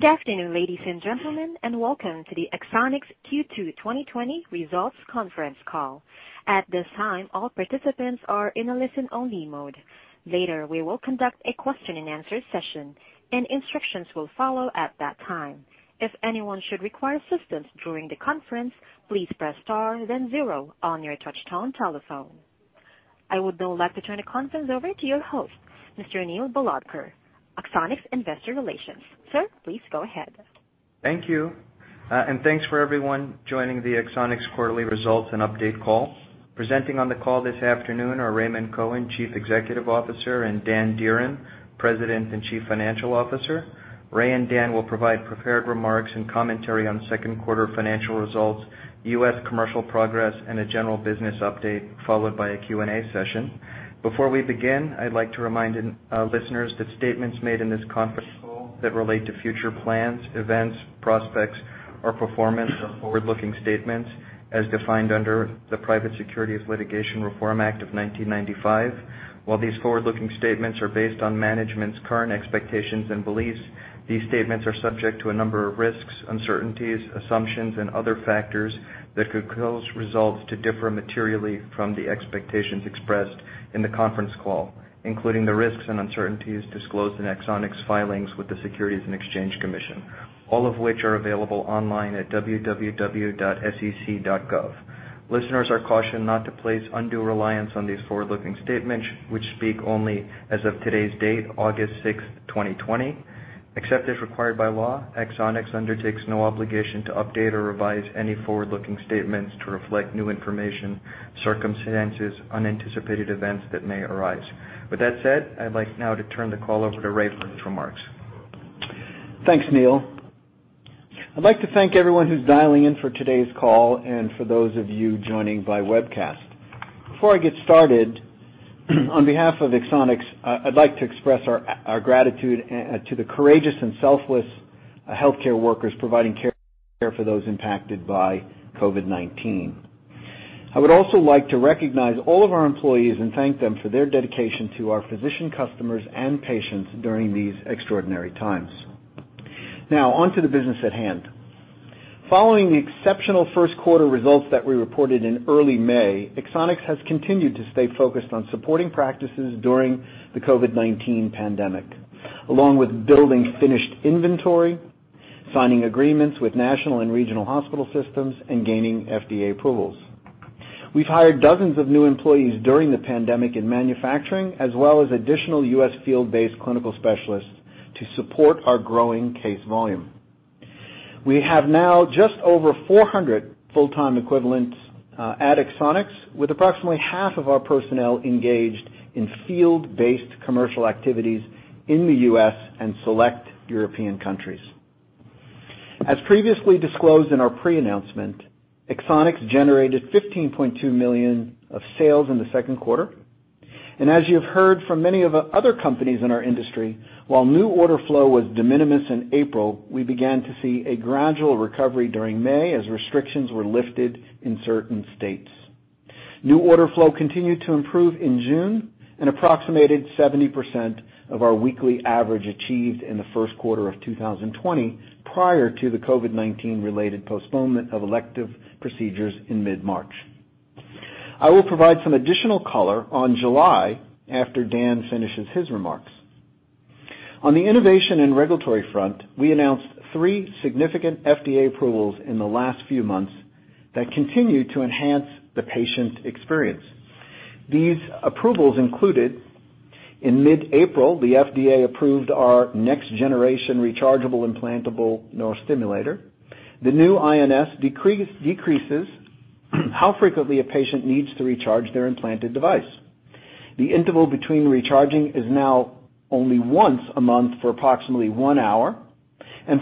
Good afternoon ladies and gentlemen and welcome to the Axonics Q2 2020 results conference call. At this time all participants are in listen-only mode. Later, we will conduct a question and answer session. Any instructions will follow at that time. If anyone should require assistance during the conference please press star then zero on your touchtone telephone. I would now like to turn the conference over to your host, Mr. Neil Bhalodkar, Axonics Investor Relations. Sir please go ahead. Thank you. Thanks for everyone joining the Axonics quarterly results and update call. Presenting on the call this afternoon are Raymond Cohen, Chief Executive Officer, and Dan Dearen, President and Chief Financial Officer. Ray and Dan will provide prepared remarks and commentary on second quarter financial results, U.S. commercial progress, and a general business update, followed by a Q&A session. Before we begin, I'd like to remind listeners that statements made in this conference call that relate to future plans, events, prospects, or performance are forward-looking statements as defined under the Private Securities Litigation Reform Act of 1995. While these forward-looking statements are based on management's current expectations and beliefs, these statements are subject to a number of risks, uncertainties, assumptions, and other factors that could cause results to differ materially from the expectations expressed in the conference call, including the risks and uncertainties disclosed in Axonics' filings with the Securities and Exchange Commission, all of which are available online at www.sec.gov. Listeners are cautioned not to place undue reliance on these forward-looking statements, which speak only as of today's date, August 6th, 2020. Except as required by law, Axonics undertakes no obligation to update or revise any forward-looking statements to reflect new information, circumstances, unanticipated events that may arise. With that said, I'd like now to turn the call over to Ray for his remarks. Thanks Neil. I'd like to thank everyone who's dialing in for today's call and for those of you joining by webcast. Before I get started, on behalf of Axonics, I'd like to express our gratitude to the courageous and selfless healthcare workers providing care for those impacted by COVID-19. I would also like to recognize all of our employees and thank them for their dedication to our physician customers and patients during these extraordinary times. Now, onto the business at hand. Following the exceptional first-quarter results that we reported in early May, Axonics has continued to stay focused on supporting practices during the COVID-19 pandemic, along with building finished inventory, signing agreements with national and regional hospital systems, and gaining FDA approvals. We've hired dozens of new employees during the pandemic in manufacturing, as well as additional U.S. field-based clinical specialists to support our growing case volume. We have now just over 400 full-time equivalents at Axonics, with approximately half of our personnel engaged in field-based commercial activities in the U.S. and select European countries. As previously disclosed in our pre-announcement, Axonics generated $15.2 million of sales in the second quarter. As you have heard from many of other companies in our industry, while new order flow was de minimis in April, we began to see a gradual recovery during May as restrictions were lifted in certain states. New order flow continued to improve in June, and approximated 70% of our weekly average achieved in the first quarter of 2020 prior to the COVID-19 related postponement of elective procedures in mid-March. I will provide some additional color on July after Dan finishes his remarks. On the innovation and regulatory front, we announced three significant FDA approvals in the last few months that continue to enhance the patient experience. These approvals included, in mid-April, the FDA approved our next generation rechargeable implantable neurostimulator. The new INS decreases how frequently a patient needs to recharge their implanted device. The interval between recharging is now only once a month for approximately one hour.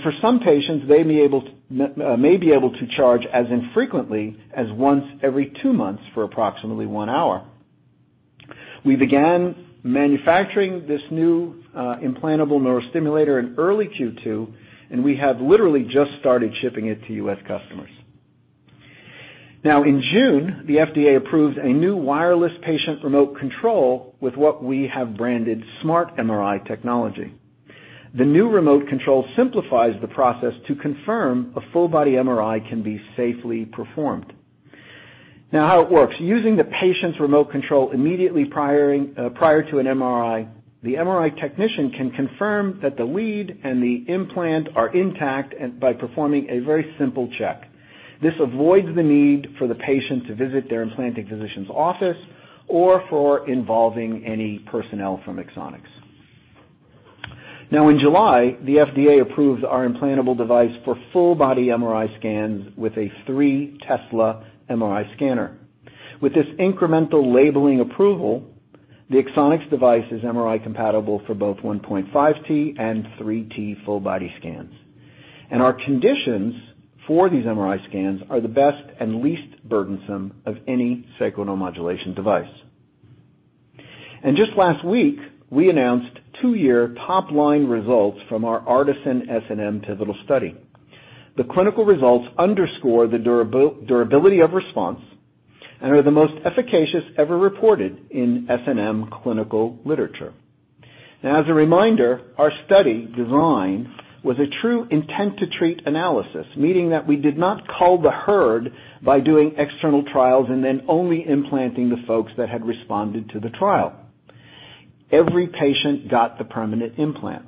For some patients, they may be able to charge as infrequently as once every two months for approximately one hour. We began manufacturing this new implantable neurostimulator in early Q2, and we have literally just started shipping it to U.S. customers. In June, the FDA approved a new wireless patient remote control with what we have branded SmartMRI technology. The new remote control simplifies the process to confirm a full body MRI can be safely performed. How it works. Using the patient's remote control immediately prior to an MRI, the MRI technician can confirm that the lead and the implant are intact by performing a very simple check. This avoids the need for the patient to visit their implanting physician's office or for involving any personnel from Axonics. Now in July, the FDA approved our implantable device for full body MRI scans with a 3 Tesla MRI scanner. With this incremental labeling approval, the Axonics device is MRI compatible for both 1.5T and 3T full body scans. Our conditions for these MRI scans are the best and least burdensome of any sacral neuromodulation device. Just last week, we announced 2-year top-line results from our ARTISAN-SNM pivotal study. The clinical results underscore the durability of response and are the most efficacious ever reported in SNM clinical literature. As a reminder, our study design was a true intent to treat analysis, meaning that we did not cull the herd by doing external trials and then only implanting the folks that had responded to the trial. Every patient got the permanent implant.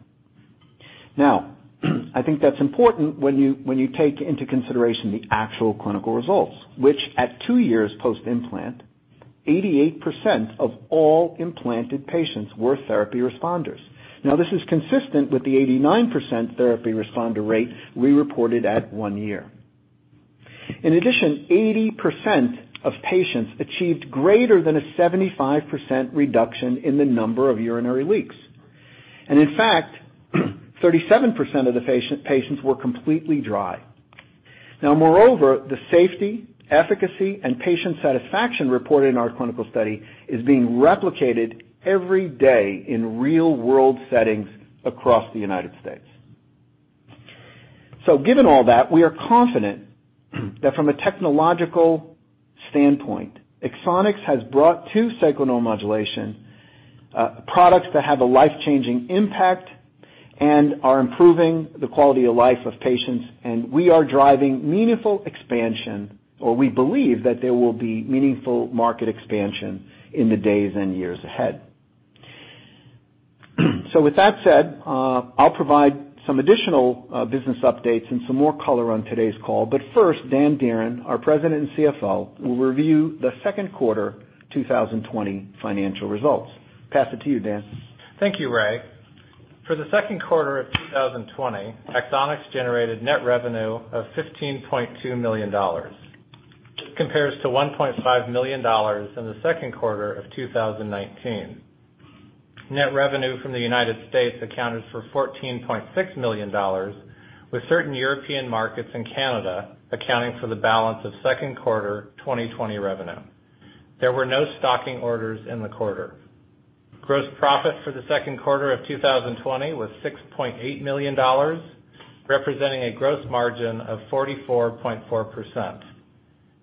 I think that's important when you take into consideration the actual clinical results, which at two years post-implant, 88% of all implanted patients were therapy responders. This is consistent with the 89% therapy responder rate we reported at one year. In addition, 80% of patients achieved greater than a 75% reduction in the number of urinary leaks. In fact, 37% of the patients were completely dry. Moreover, the safety, efficacy, and patient satisfaction reported in our clinical study is being replicated every day in real-world settings across the U.S. Given all that, we are confident that from a technological standpoint, Axonics has brought to Sacral neuromodulation products that have a life-changing impact and are improving the quality of life of patients, and we are driving meaningful expansion, or we believe that there will be meaningful market expansion in the days and years ahead. With that said, I'll provide some additional business updates and some more color on today's call. First, Dan Dearen, our President and CFO, will review the second quarter 2020 financial results. Pass it to you Dan. Thank you Ray. For the second quarter of 2020, Axonics generated net revenue of $15.2 million. This compares to $1.5 million in the second quarter of 2019. Net revenue from the U.S. accounted for $14.6 million, with certain European markets and Canada accounting for the balance of second quarter 2020 revenue. There were no stocking orders in the quarter. Gross profit for the second quarter of 2020 was $6.8 million, representing a gross margin of 44.4%.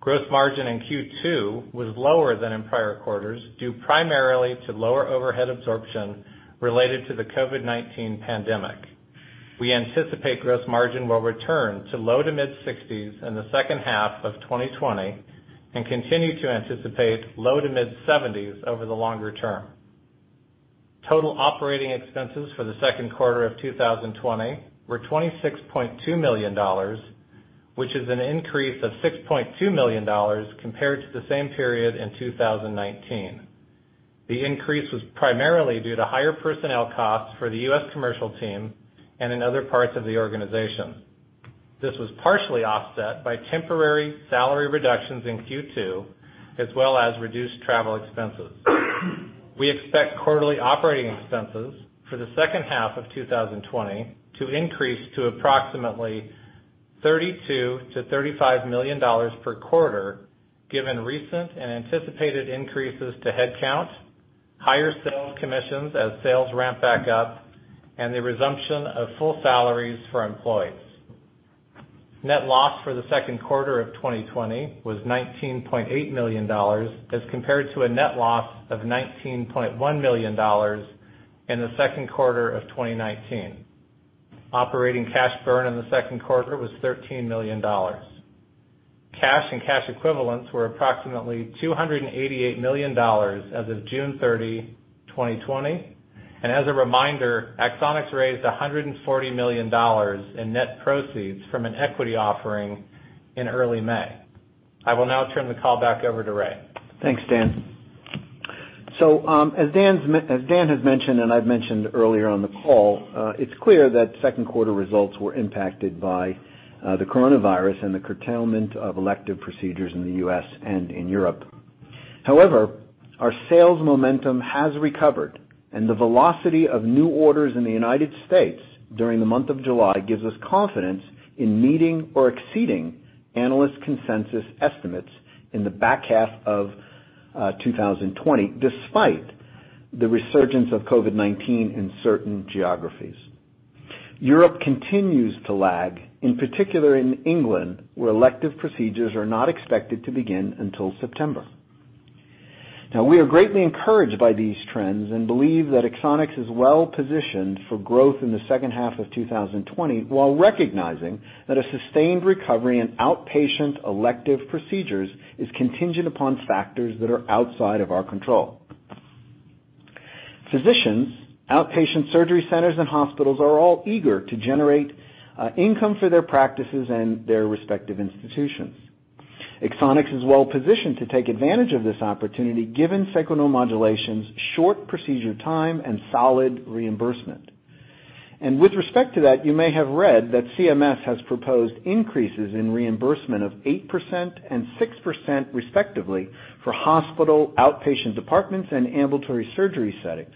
Gross margin in Q2 was lower than in prior quarters, due primarily to lower overhead absorption related to the COVID-19 pandemic. We anticipate gross margin will return to low to mid 60s in the second half of 2020 and continue to anticipate low to mid 70s over the longer term. Total operating expenses for the second quarter of 2020 were $26.2 million, which is an increase of $6.2 million compared to the same period in 2019. The increase was primarily due to higher personnel costs for the U.S. commercial team and in other parts of the organization. This was partially offset by temporary salary reductions in Q2, as well as reduced travel expenses. We expect quarterly operating expenses for the second half of 2020 to increase to approximately $32 million-$35 million per quarter, given recent and anticipated increases to headcount, higher sales commissions as sales ramp back up, and the resumption of full salaries for employees. Net loss for the second quarter of 2020 was $19.8 million, as compared to a net loss of $19.1 million in the second quarter of 2019. Operating cash burn in the second quarter was $13 million. Cash and cash equivalents were approximately $288 million as of June 30, 2020. As a reminder, Axonics raised $140 million in net proceeds from an equity offering in early May. I will now turn the call back over to Ray. Thanks Dan. As Dan has mentioned and I've mentioned earlier on the call, it's clear that second quarter results were impacted by the coronavirus and the curtailment of elective procedures in the U.S. and in Europe. However, our sales momentum has recovered, and the velocity of new orders in the United States during the month of July gives us confidence in meeting or exceeding analyst consensus estimates in the back half of 2020, despite the resurgence of COVID-19 in certain geographies. Europe continues to lag, in particular in England, where elective procedures are not expected to begin until September. We are greatly encouraged by these trends and believe that Axonics is well-positioned for growth in the second half of 2020 while recognizing that a sustained recovery in outpatient elective procedures is contingent upon factors that are outside of our control. Physicians, outpatient surgery centers, and hospitals are all eager to generate income for their practices and their respective institutions. Axonics is well-positioned to take advantage of this opportunity given Sacral Neuromodulation's short procedure time and solid reimbursement. With respect to that, you may have read that CMS has proposed increases in reimbursement of 8% and 6% respectively for hospital outpatient departments and ambulatory surgery settings.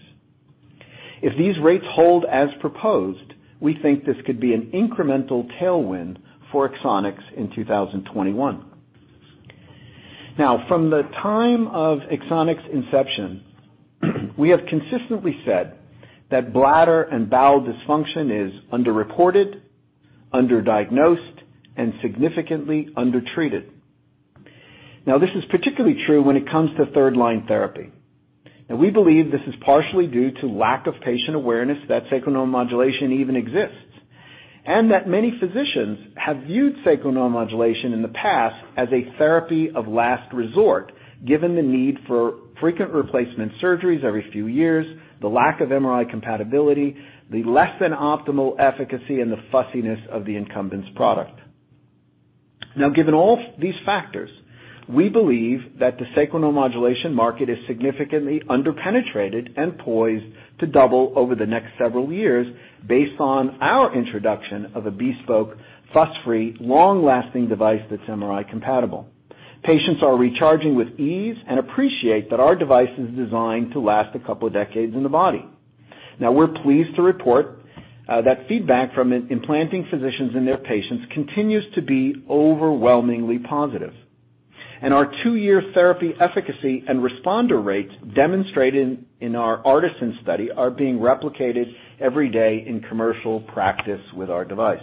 If these rates hold as proposed, we think this could be an incremental tailwind for Axonics in 2021. From the time of Axonics' inception, we have consistently said that bladder and bowel dysfunction is underreported, underdiagnosed and significantly undertreated. This is particularly true when it comes to third-line therapy. We believe this is partially due to lack of patient awareness that Sacral neuromodulation even exists, and that many physicians have viewed Sacral neuromodulation in the past as a therapy of last resort, given the need for frequent replacement surgeries every few years, the lack of MRI compatibility, the less than optimal efficacy, and the fussiness of the incumbent's product. Given all these factors, we believe that the Sacral neuromodulation market is significantly under-penetrated and poised to double over the next several years based on our introduction of a bespoke, fuss-free, long-lasting device that's MRI compatible. Patients are recharging with ease and appreciate that our device is designed to last a couple of decades in the body. We're pleased to report that feedback from implanting physicians and their patients continues to be overwhelmingly positive. Our 2-year therapy efficacy and responder rates demonstrated in our ARTISAN study are being replicated every day in commercial practice with our device.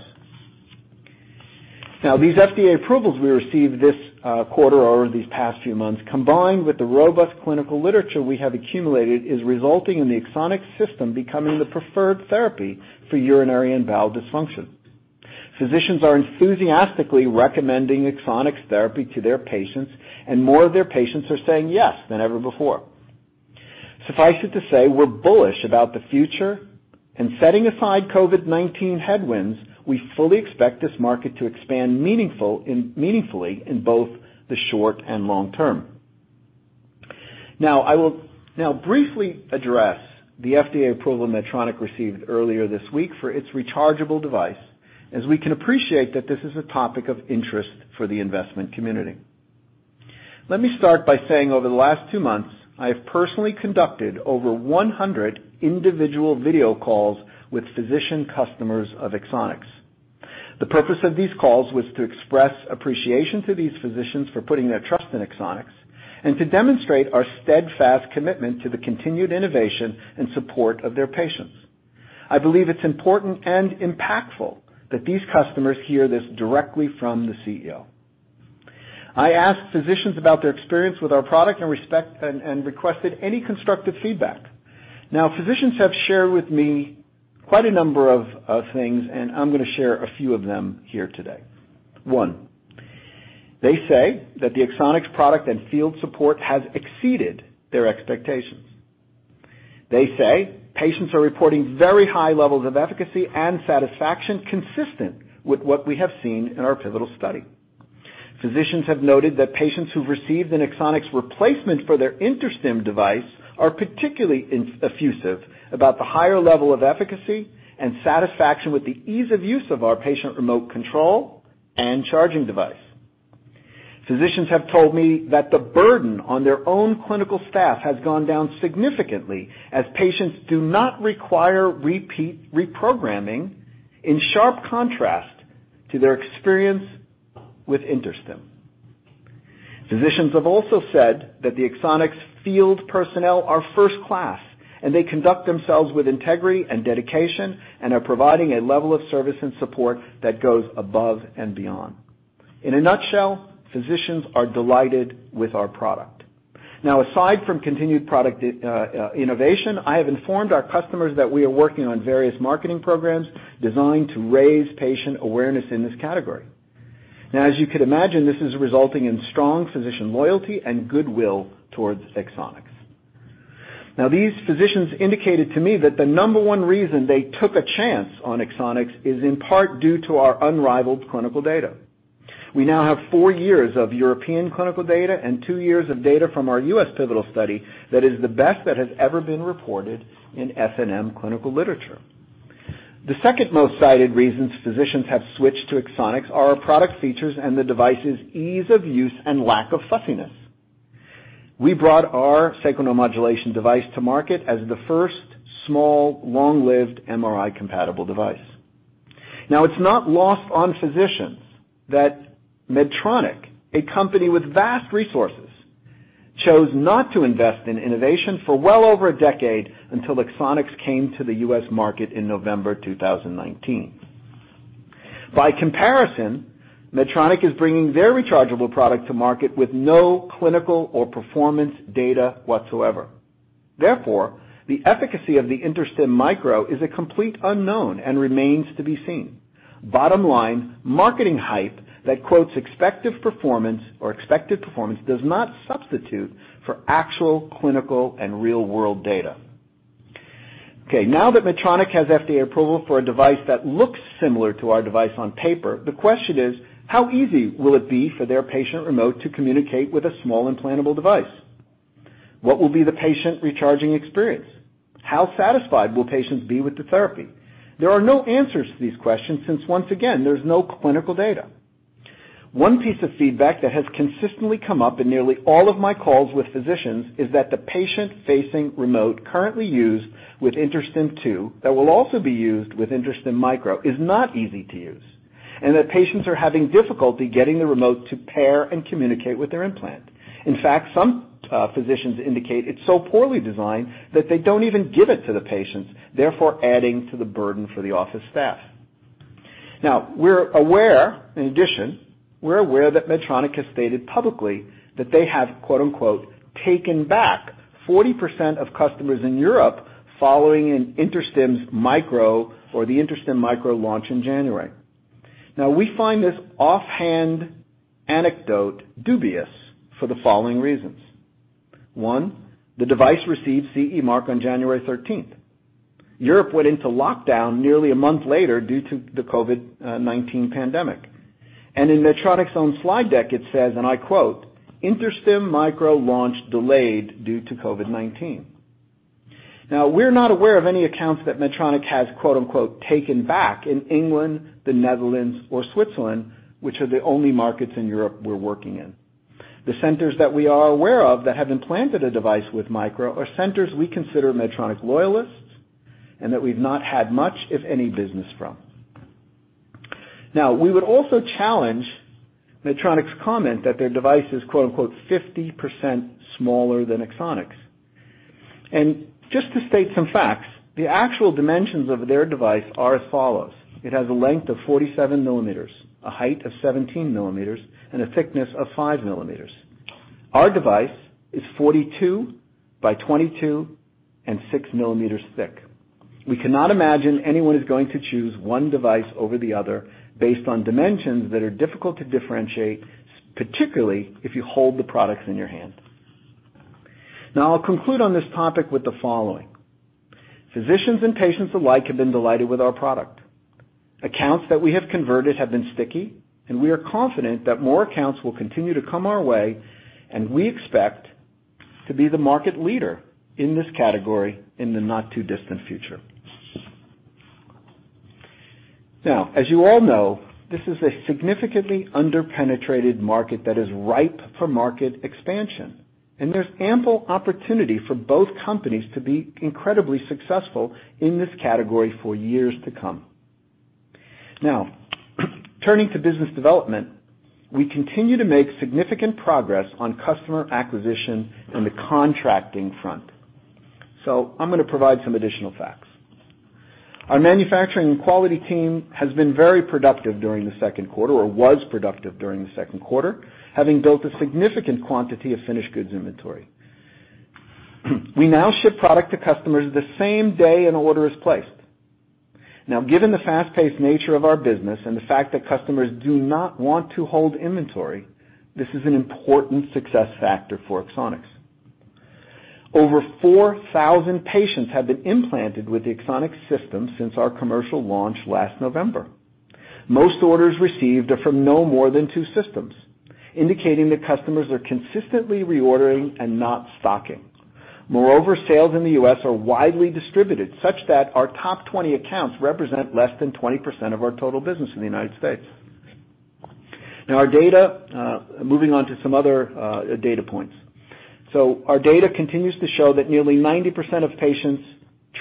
These FDA approvals we received this quarter or over these past few months, combined with the robust clinical literature we have accumulated, is resulting in the Axonics system becoming the preferred therapy for urinary and bowel dysfunction. Physicians are enthusiastically recommending Axonics therapy to their patients, and more of their patients are saying yes than ever before. Suffice it to say, we're bullish about the future. Setting aside COVID-19 headwinds, we fully expect this market to expand meaningfully in both the short and long term. I will now briefly address the FDA approval Medtronic received earlier this week for its rechargeable device, as we can appreciate that this is a topic of interest for the investment community. Let me start by saying over the last two months, I have personally conducted over 100 individual video calls with physician customers of Axonics. The purpose of these calls was to express appreciation to these physicians for putting their trust in Axonics and to demonstrate our steadfast commitment to the continued innovation and support of their patients. I believe it's important and impactful that these customers hear this directly from the CEO. I asked physicians about their experience with our product and requested any constructive feedback. Physicians have shared with me quite a number of things, and I'm going to share a few of them here today. One, they say that the Axonics product and field support has exceeded their expectations. They say patients are reporting very high levels of efficacy and satisfaction consistent with what we have seen in our pivotal study. Physicians have noted that patients who've received an Axonics replacement for their InterStim device are particularly effusive about the higher level of efficacy and satisfaction with the ease of use of our patient remote control and charging device. Physicians have told me that the burden on their own clinical staff has gone down significantly as patients do not require repeat reprogramming, in sharp contrast to their experience with InterStim. Physicians have also said that the Axonics field personnel are first class, and they conduct themselves with integrity and dedication and are providing a level of service and support that goes above and beyond. In a nutshell, physicians are delighted with our product. Now, aside from continued product innovation, I have informed our customers that we are working on various marketing programs designed to raise patient awareness in this category. As you could imagine, this is resulting in strong physician loyalty and goodwill towards Axonics. These physicians indicated to me that the number one reason they took a chance on Axonics is in part due to our unrivaled clinical data. We now have four years of European clinical data and two years of data from our U.S. pivotal study that is the best that has ever been reported in SNM clinical literature. The second most cited reasons physicians have switched to Axonics are our product features and the device's ease of use and lack of fussiness. We brought our sacral neuromodulation device to market as the first small, long-lived MRI-compatible device. It's not lost on physicians that Medtronic, a company with vast resources, chose not to invest in innovation for well over a decade until Axonics came to the U.S. market in November 2019. By comparison, Medtronic is bringing their rechargeable product to market with no clinical or performance data whatsoever. Therefore, the efficacy of the InterStim Micro is a complete unknown and remains to be seen. Bottom line, marketing hype that quotes expected performance does not substitute for actual clinical and real-world data. Okay, now that Medtronic has FDA approval for a device that looks similar to our device on paper, the question is: how easy will it be for their patient remote to communicate with a small implantable device? What will be the patient recharging experience? How satisfied will patients be with the therapy? There are no answers to these questions since, once again, there's no clinical data. One piece of feedback that has consistently come up in nearly all of my calls with physicians is that the patient-facing remote currently used with InterStim II, that will also be used with InterStim Micro, is not easy to use, and that patients are having difficulty getting the remote to pair and communicate with their implant. In fact, some physicians indicate it's so poorly designed that they don't even give it to the patients, therefore adding to the burden for the office staff. Now, in addition, we're aware that Medtronic has stated publicly that they have "taken back 40% of customers in Europe following the InterStim Micro launch in January." Now, we find this offhand anecdote dubious for the following reasons. One, the device received CE mark on January 13th. Europe went into lockdown nearly a month later due to the COVID-19 pandemic. In Medtronic's own slide deck, it says, and I quote, "InterStim Micro launch delayed due to COVID-19." We're not aware of any accounts that Medtronic has "taken back" in England, the Netherlands, or Switzerland, which are the only markets in Europe we're working in. The centers that we are aware of that have implanted a device with Micro are centers we consider Medtronic loyalists, and that we've not had much, if any, business from. We would also challenge Medtronic's comment that their device is "50% smaller than Axonics." Just to state some facts, the actual dimensions of their device are as follows. It has a length of 47 mm, a height of 17 mm, and a thickness of 5 mm. Our device is 42 by 22 and 6 mm thick. We cannot imagine anyone is going to choose one device over the other based on dimensions that are difficult to differentiate, particularly if you hold the products in your hand. I'll conclude on this topic with the following. Physicians and patients alike have been delighted with our product. Accounts that we have converted have been sticky, and we are confident that more accounts will continue to come our way, and we expect to be the market leader in this category in the not-too-distant future. As you all know, this is a significantly under-penetrated market that is ripe for market expansion, and there's ample opportunity for both companies to be incredibly successful in this category for years to come. Turning to business development, we continue to make significant progress on customer acquisition on the contracting front. I'm going to provide some additional facts. Our manufacturing and quality team was productive during the second quarter, having built a significant quantity of finished goods inventory. We now ship product to customers the same day an order is placed. Given the fast-paced nature of our business and the fact that customers do not want to hold inventory, this is an important success factor for Axonics. Over 4,000 patients have been implanted with the Axonics system since our commercial launch last November. Most orders received are from no more than two systems, indicating that customers are consistently reordering and not stocking. Sales in the U.S. are widely distributed, such that our top 20 accounts represent less than 20% of our total business in the U.S. Moving on to some other data points. Our data continues to show that nearly 90% of patients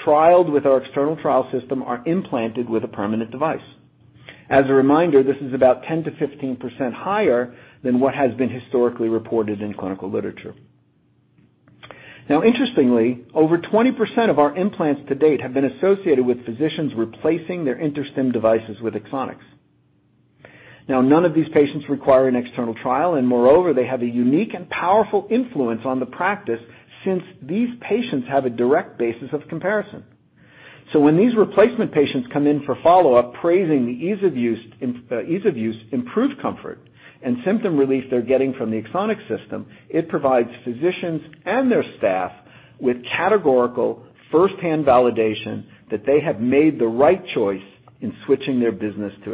trialed with our external trial system are implanted with a permanent device. As a reminder, this is about 10%-15% higher than what has been historically reported in clinical literature. Interestingly, over 20% of our implants to date have been associated with physicians replacing their InterStim devices with Axonics. None of these patients require an external trial, and moreover, they have a unique and powerful influence on the practice since these patients have a direct basis of comparison. When these replacement patients come in for follow-up, praising the ease of use, improved comfort, and symptom relief they're getting from the Axonics system, it provides physicians and their staff with categorical firsthand validation that they have made the right choice in switching their business to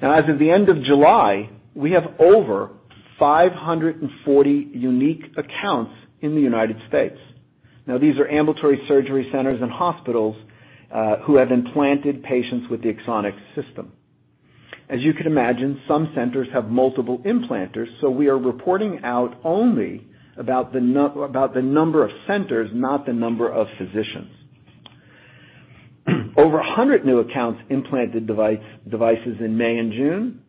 Axonics. As of the end of July, we have over 540 unique accounts in the U.S. These are ambulatory surgery centers and hospitals who have implanted patients with the Axonics system. As you can imagine, some centers have multiple implanters, we are reporting out only about the number of centers, not the number of physicians. Over 100 new accounts implanted devices in May and June,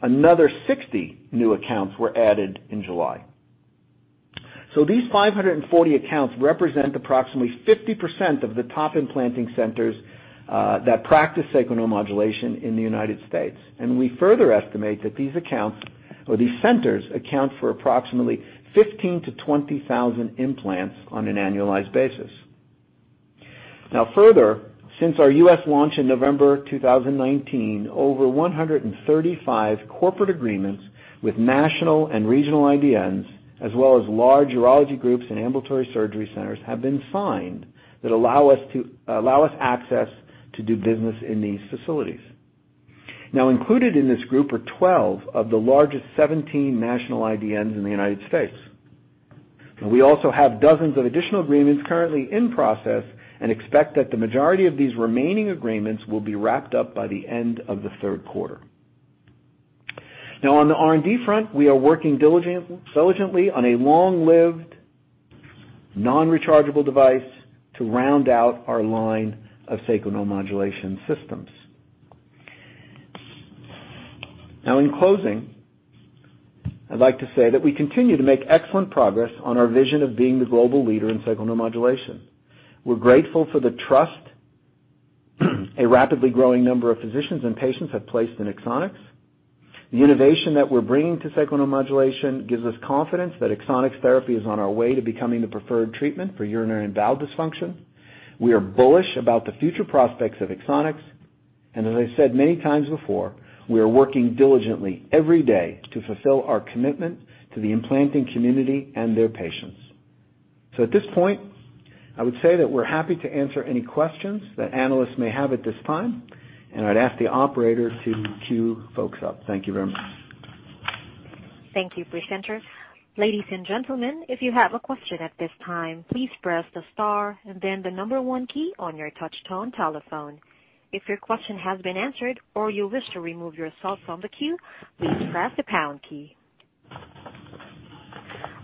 another 60 new accounts were added in July. These 540 accounts represent approximately 50% of the top implanting centers that practice sacral neuromodulation in the U.S. We further estimate that these accounts or these centers account for approximately 15,000-20,000 implants on an annualized basis. Further, since our U.S. launch in November 2019, over 135 corporate agreements with national and regional IDNs, as well as large urology groups and Ambulatory Surgery Centers, have been signed that allow us access to do business in these facilities. Included in this group are 12 of the largest 17 national IDNs in the U.S. We also have dozens of additional agreements currently in process and expect that the majority of these remaining agreements will be wrapped up by the end of the third quarter. On the R&D front, we are working diligently on a long-lived, non-rechargeable device to round out our line of sacral neuromodulation systems. In closing, I'd like to say that we continue to make excellent progress on our vision of being the global leader in sacral neuromodulation. We're grateful for the trust a rapidly growing number of physicians and patients have placed in Axonics. The innovation that we're bringing to Sacral neuromodulation gives us confidence that Axonics therapy is on our way to becoming the preferred treatment for urinary and bowel dysfunction. We are bullish about the future prospects of Axonics, and as I said many times before, we are working diligently every day to fulfill our commitment to the implanting community and their patients. At this point, I would say that we're happy to answer any questions that analysts may have at this time, and I'd ask the operator to queue folks up. Thank you very much. Thank you presenters. Ladies and gentlemen, if you have a question at this time, please press the star and then the number one key on your touch tone telephone. If your question has been answered or you wish to remove yourself from the queue, please press the pound key.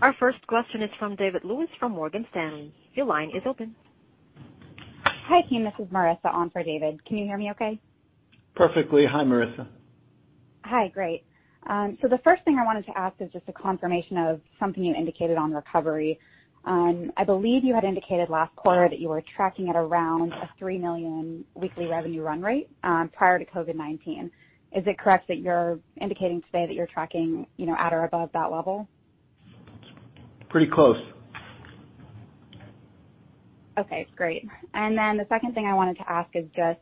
Our first question is from David Lewis from Morgan Stanley. Your line is open. Hi team. This is Marissa on for David. Can you hear me okay? Perfectly. Hi Marissa. Hi. Great. The first thing I wanted to ask is just a confirmation of something you indicated on recovery. I believe you had indicated last quarter that you were tracking at around a $3 million weekly revenue run rate prior to COVID-19. Is it correct that you're indicating today that you're tracking at or above that level? Pretty close. Okay, great. The second thing I wanted to ask is just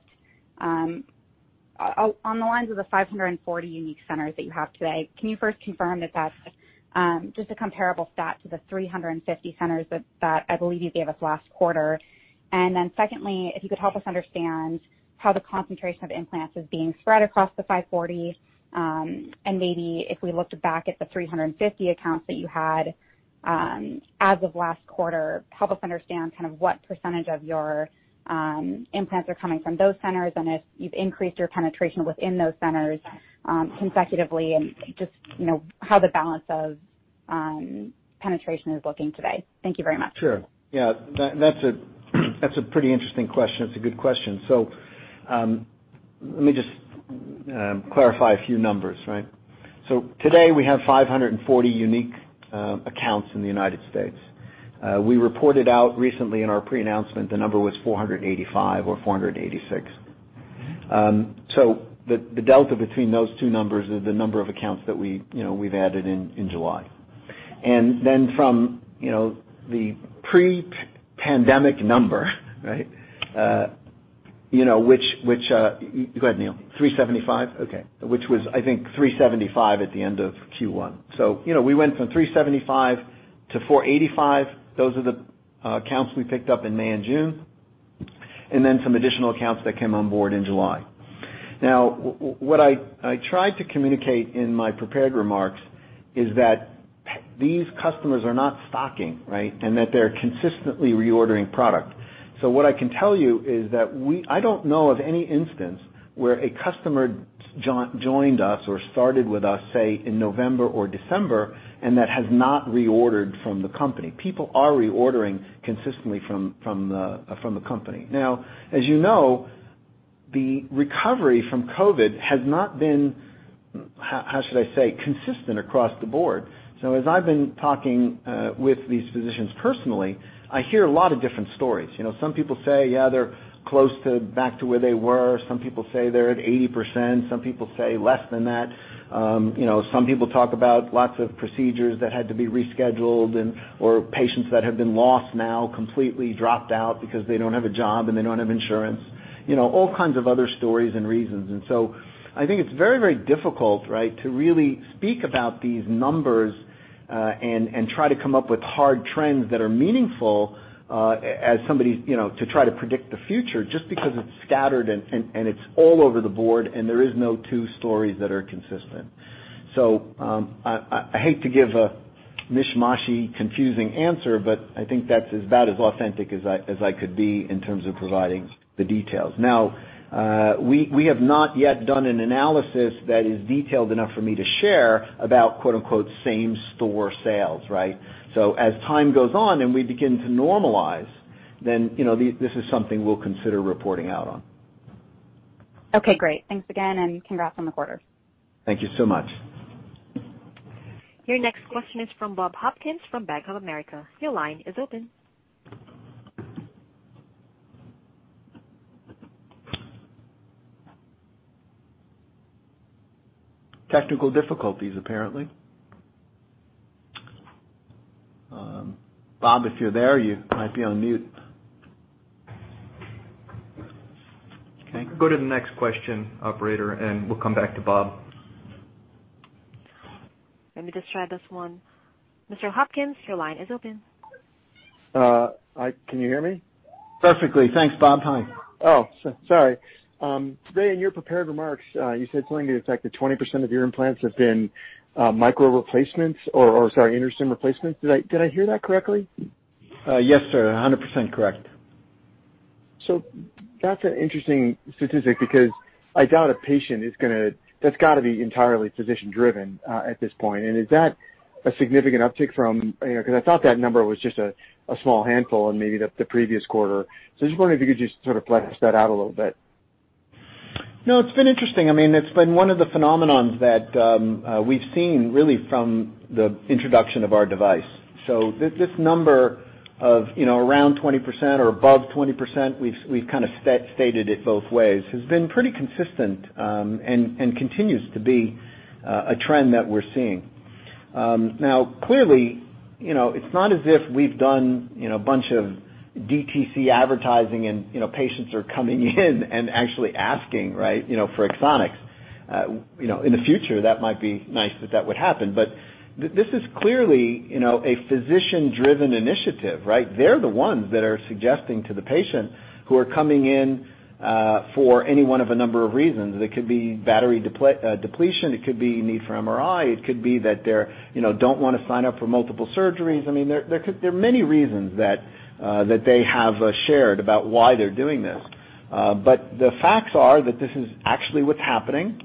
on the lines of the 540 unique centers that you have today, can you first confirm if that's just a comparable stat to the 350 centers that I believe you gave us last quarter? Secondly, if you could help us understand how the concentration of implants is being spread across the 540, and maybe if we looked back at the 350 accounts that you had as of last quarter, help us understand kind of what % of your implants are coming from those centers and if you've increased your penetration within those centers consecutively and just how the balance of penetration is looking today. Thank you very much. Sure. Yeah. That's a pretty interesting question. It's a good question. Let me just clarify a few numbers, right? Today we have 540 unique accounts in the U.S. We reported out recently in our pre-announcement the number was 485 or 486. The delta between those two numbers is the number of accounts that we've added in July. From the pre-pandemic number right? Go ahead, Neil. 375?Okay. Which was, I think, 375 at the end of Q1. We went from 375-485. Those are the accounts we picked up in May and June, some additional accounts that came on board in July. What I tried to communicate in my prepared remarks is that these customers are not stocking, right? They're consistently reordering product. What I can tell you is that I don't know of any instance where a customer joined us or started with us, say, in November or December, and that has not reordered from the company. People are reordering consistently from the company. Now, as you know, the recovery from COVID has not been, how should I say, consistent across the board. As I've been talking with these physicians personally, I hear a lot of different stories. Some people say, yeah, they're close to back to where they were. Some people say they're at 80%. Some people say less than that. Some people talk about lots of procedures that had to be rescheduled or patients that have been lost now, completely dropped out because they don't have a job and they don't have insurance. All kinds of other stories and reasons. I think it's very very difficult, right? To really speak about these numbers and try to come up with hard trends that are meaningful as somebody to try to predict the future just because it's scattered and it's all over the board, and there is no two stories that are consistent. I hate to give a mishmashy, confusing answer, but I think that's about as authentic as I could be in terms of providing the details. We have not yet done an analysis that is detailed enough for me to share about quote unquote "same store sales," right? As time goes on and we begin to normalize, then this is something we'll consider reporting out on. Okay, great. Thanks again and congrats on the quarter. Thank you so much. Your next question is from Bob Hopkins of Bank of America. Your line is open. Technical difficulties, apparently. Bob, if you're there you might be on mute. Go to the next question, operator and we'll come back to Bob. Let me just try this one. Mr. Hopkins your line is open. Can you hear me? Perfectly. Thanks Bob. Hi. Oh, sorry. Ray, in your prepared remarks you said something to the effect that 20% of your implants have been micro replacements, or sorry, InterStim replacements. Did I hear that correctly? Yes sir, 100% correct. That's an interesting statistic because that's got to be entirely physician-driven at this point. Is that a significant uptick from Because I thought that number was just a small handful in maybe the previous quarter? I just wonder if you could just sort of flesh that out a little bit. It's been interesting. It's been one of the phenomenons that we've seen really from the introduction of our device. This number of around 20% or above 20%, we've kind of stated it both ways, has been pretty consistent and continues to be a trend that we're seeing. Now, clearly, it's not as if we've done a bunch of DTC advertising and patients are coming in and actually asking for Axonics. In the future, that might be nice if that would happen. This is clearly a physician-driven initiative. They're the ones that are suggesting to the patient who are coming in for any one of a number of reasons. It could be battery depletion, it could be need for MRI, it could be that they don't want to sign up for multiple surgeries. There are many reasons that they have shared about why they're doing this. The facts are that this is actually what's happening.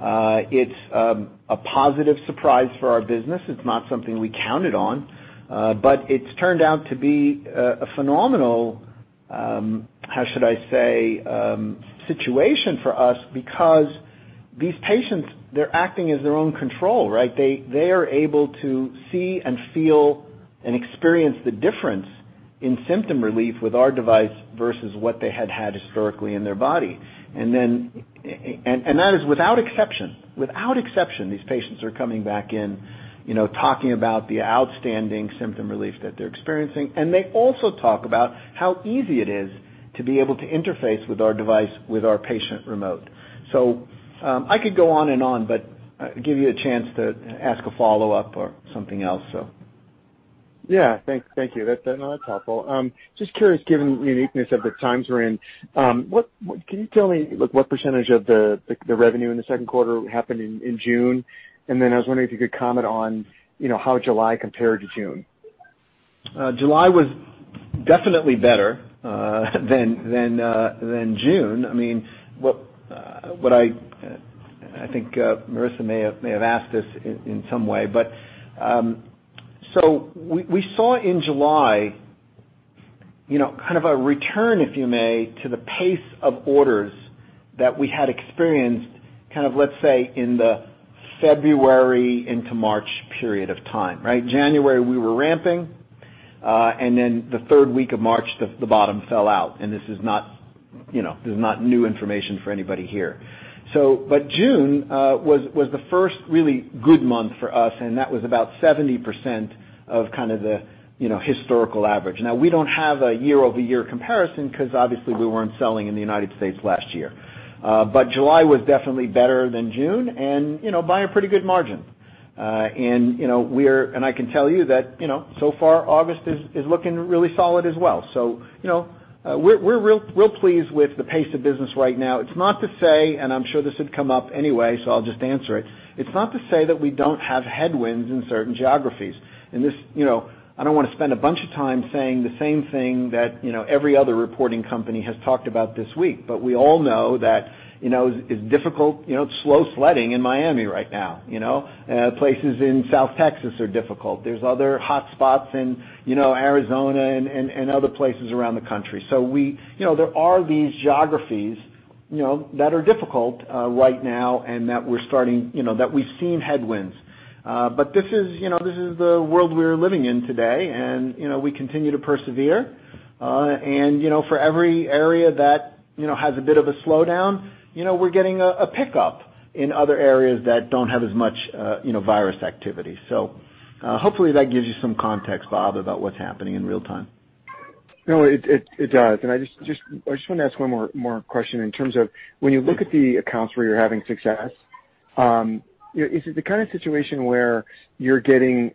It's a positive surprise for our business. It's not something we counted on, but it's turned out to be a phenomenal, how should I say, situation for us because these patients, they're acting as their own control. They are able to see and feel and experience the difference in symptom relief with our device versus what they had historically in their body. That is without exception. Without exception, these patients are coming back in, talking about the outstanding symptom relief that they're experiencing, and they also talk about how easy it is to be able to interface with our device, with our patient remote. I could go on and on, but give you a chance to ask a follow-up or something else. Yeah. Thank you. That's helpful. Just curious, given the uniqueness of the times we're in, can you tell me what percentage of the revenue in the second quarter happened in June? I was wondering if you could comment on how July compared to June? July was definitely better than June. I think Marissa may have asked this in some way. We saw in July kind of a return, if you may, to the pace of orders that we had experienced kind of, let's say, in the February into March period of time. January we were ramping, and then the third week of March, the bottom fell out, and this is not new information for anybody here. June was the first really good month for us, and that was about 70% of kind of the historical average. Now, we don't have a year-over-year comparison because obviously we weren't selling in the U.S. last year. July was definitely better than June and by a pretty good margin. I can tell you that so far August is looking really solid as well. We're real pleased with the pace of business right now. It's not to say, and I'm sure this would come up anyway, so I'll just answer it. It's not to say that we don't have headwinds in certain geographies. I don't want to spend a bunch of time saying the same thing that every other reporting company has talked about this week, but we all know that it's difficult, it's slow sledding in Miami right now. Places in South Texas are difficult. There's other hotspots in Arizona and other places around the country. There are these geographies that are difficult right now and that we've seen headwinds. This is the world we're living in today, and we continue to persevere. For every area that has a bit of a slowdown, we're getting a pickup in other areas that don't have as much virus activity. Hopefully that gives you some context Bob, about what's happening in real time. No it does. I just want to ask one more question in terms of when you look at the accounts where you're having success, is it the kind of situation where you're getting,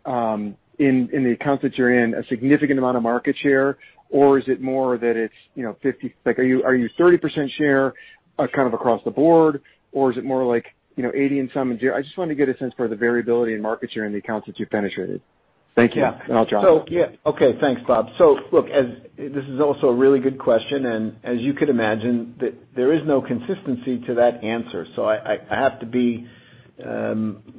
in the accounts that you're in, a significant amount of market share, or is it more that it's like are you 30% share kind of across the board, or is it more like 80 in some and zero? I just wanted to get a sense for the variability in market share in the accounts that you've penetrated. Thank you. Yeah. I'll drop off. Okay. Thanks Bob. Look, this is also a really good question and as you could imagine, there is no consistency to that answer. I have to be a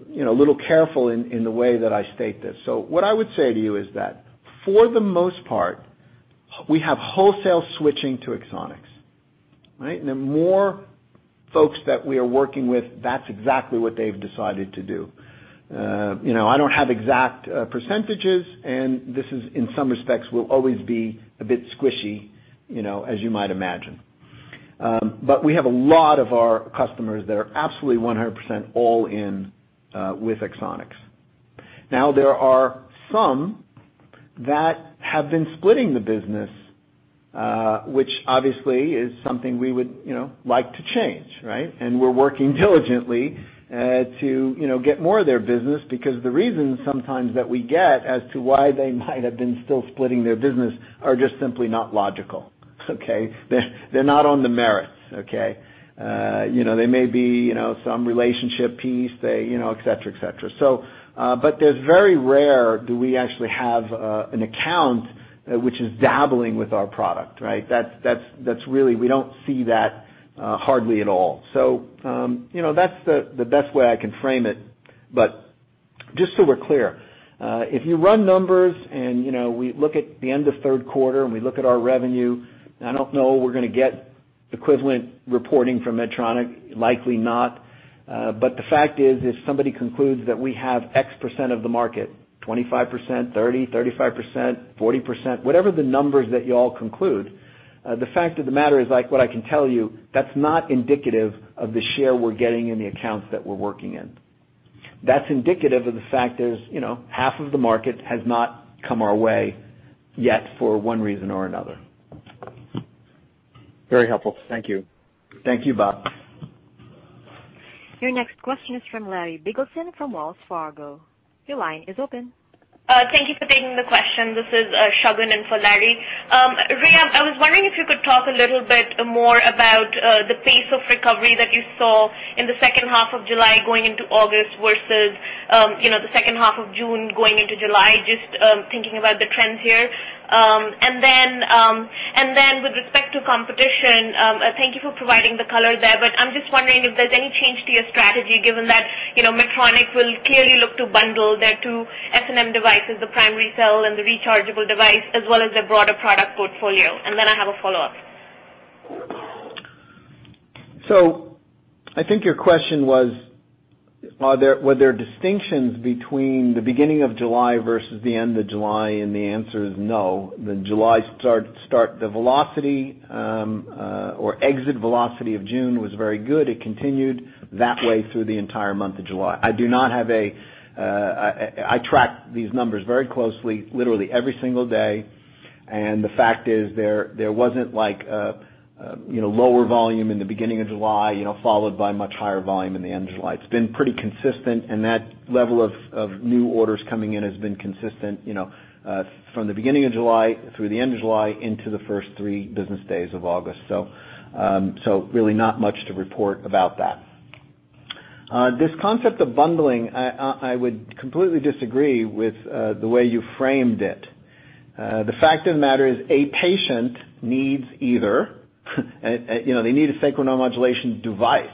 little careful in the way that I state this. What I would say to you is that for the most part, we have wholesale switching to Axonics. The more folks that we are working with, that's exactly what they've decided to do. I don't have exact percentages, and this is, in some respects, will always be a bit squishy as you might imagine. We have a lot of our customers that are absolutely 100% all in with Axonics. Now, there are some that have been splitting the business, which obviously is something we would like to change. We're working diligently to get more of their business because the reasons sometimes that we get as to why they might have been still splitting their business are just simply not logical. Okay? They're not on the merits. There may be some relationship piece, et cetera. There's very rare do we actually have an account which is dabbling with our product, right. We don't see that hardly at all. That's the best way I can frame it. Just so we're clear, if you run numbers and we look at the end of the third quarter, and we look at our revenue, I don't know we're going to get equivalent reporting from Medtronic. Likely not. The fact is, if somebody concludes that we have X% of the market, 25%, 30%, 35%, 40%, whatever the numbers that you all conclude, the fact of the matter is, like what I can tell you, that's not indicative of the share we're getting in the accounts that we're working in. That's indicative of the fact is, half of the market has not come our way yet for one reason or another. Very helpful. Thank you. Thank you, Bob. Your next question is from Larry Biegelsen from Wells Fargo. Your line is open. Thank you for taking the question. This is Shagun in for Larry. Ray, I was wondering if you could talk a little bit more about the pace of recovery that you saw in the second half of July going into August versus the second half of June going into July, just thinking about the trends here. With respect to competition, thank you for providing the color there, but I'm just wondering if there's any change to your strategy given that Medtronic will clearly look to bundle their two SNM devices, the primary cell and the rechargeable device, as well as their broader product portfolio. I have a follow-up. I think your question was, were there distinctions between the beginning of July versus the end of July? The answer is no. The July start, the velocity or exit velocity of June was very good. It continued that way through the entire month of July. I track these numbers very closely, literally every single day. The fact is, there wasn't like a lower volume in the beginning of July, followed by much higher volume in the end of July. It's been pretty consistent, and that level of new orders coming in has been consistent from the beginning of July through the end of July into the first three business days of August. Really not much to report about that. This concept of bundling, I would completely disagree with the way you framed it. The fact of the matter is, a patient needs either they need a sacral neuromodulation device.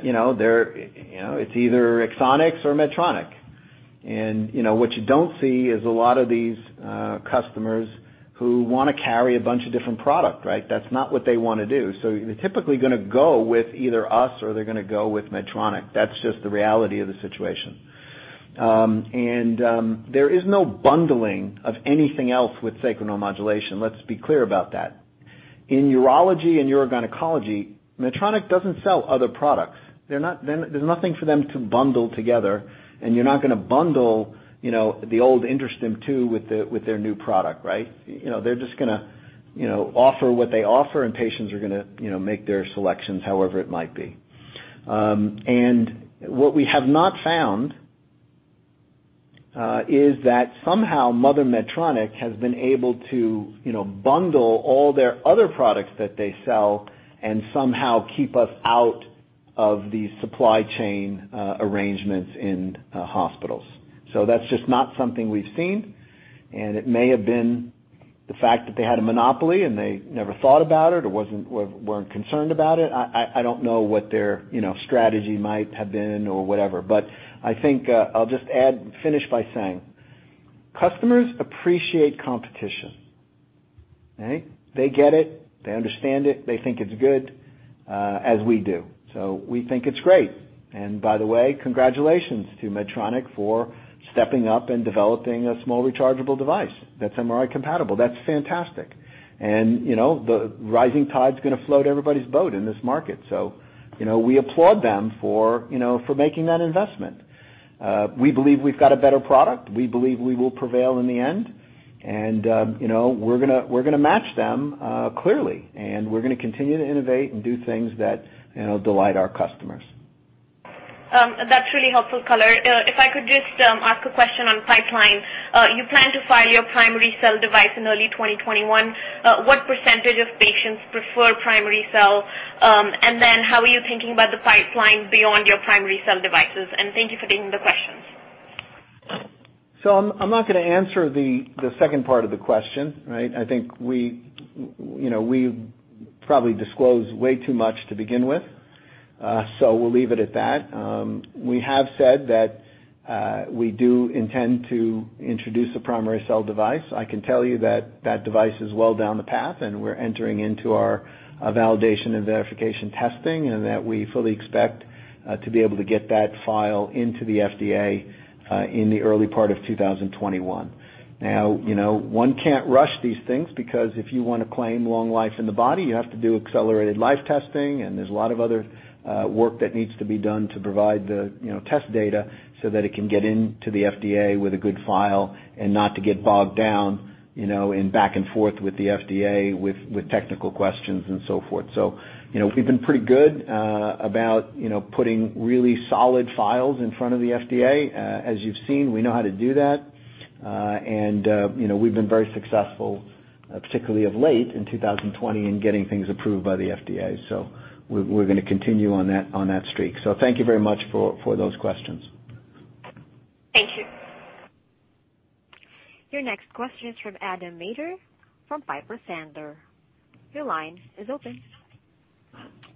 It's either Axonics or Medtronic. What you don't see is a lot of these customers who want to carry a bunch of different product, right? That's not what they want to do. They're typically going to go with either us or they're going to go with Medtronic. That's just the reality of the situation. There is no bundling of anything else with sacral neuromodulation. Let's be clear about that. In urology and urogynecology, Medtronic doesn't sell other products. There's nothing for them to bundle together, and you're not going to bundle the old InterStim II with their new product, right? They're just going to offer what they offer, and patients are going to make their selections however it might be. What we have not found is that somehow Mother Medtronic has been able to bundle all their other products that they sell and somehow keep us out of the supply chain arrangements in hospitals. That's just not something we've seen, and it may have been the fact that they had a monopoly, and they never thought about it or weren't concerned about it. I don't know what their strategy might have been or whatever, but I think I'll just finish by saying, customers appreciate competition. Okay? They get it. They understand it. They think it's good, as we do. We think it's great. By the way, congratulations to Medtronic for stepping up and developing a small rechargeable device that's MRI compatible. That's fantastic. The rising tide's going to float everybody's boat in this market, so we applaud them for making that investment. We believe we've got a better product. We believe we will prevail in the end. We're going to match them, clearly, and we're going to continue to innovate and do things that delight our customers. That's really helpful color. I could just ask a question on pipeline. You plan to file your primary cell device in early 2021. What percentage of patients prefer primary cell? Then how are you thinking about the pipeline beyond your primary cell devices? Thank you for taking the questions. I'm not going to answer the second part of the question, right? I think we probably disclosed way too much to begin with, so we'll leave it at that. We have said that we do intend to introduce a primary cell device. I can tell you that that device is well down the path, and we're entering into our validation and verification testing and that we fully expect to be able to get that file into the FDA in the early part of 2021. One can't rush these things because if you want to claim long life in the body, you have to do accelerated life testing, and there's a lot of other work that needs to be done to provide the test data so that it can get into the FDA with a good file and not to get bogged down in back and forth with the FDA with technical questions and so forth. We've been pretty good about putting really solid files in front of the FDA. As you've seen, we know how to do that. We've been very successful, particularly of late in 2020, in getting things approved by the FDA. We're going to continue on that streak. Thank you very much for those questions. Thank you. Your next question is from Adam Maeder from Piper Sandler. Your line is open.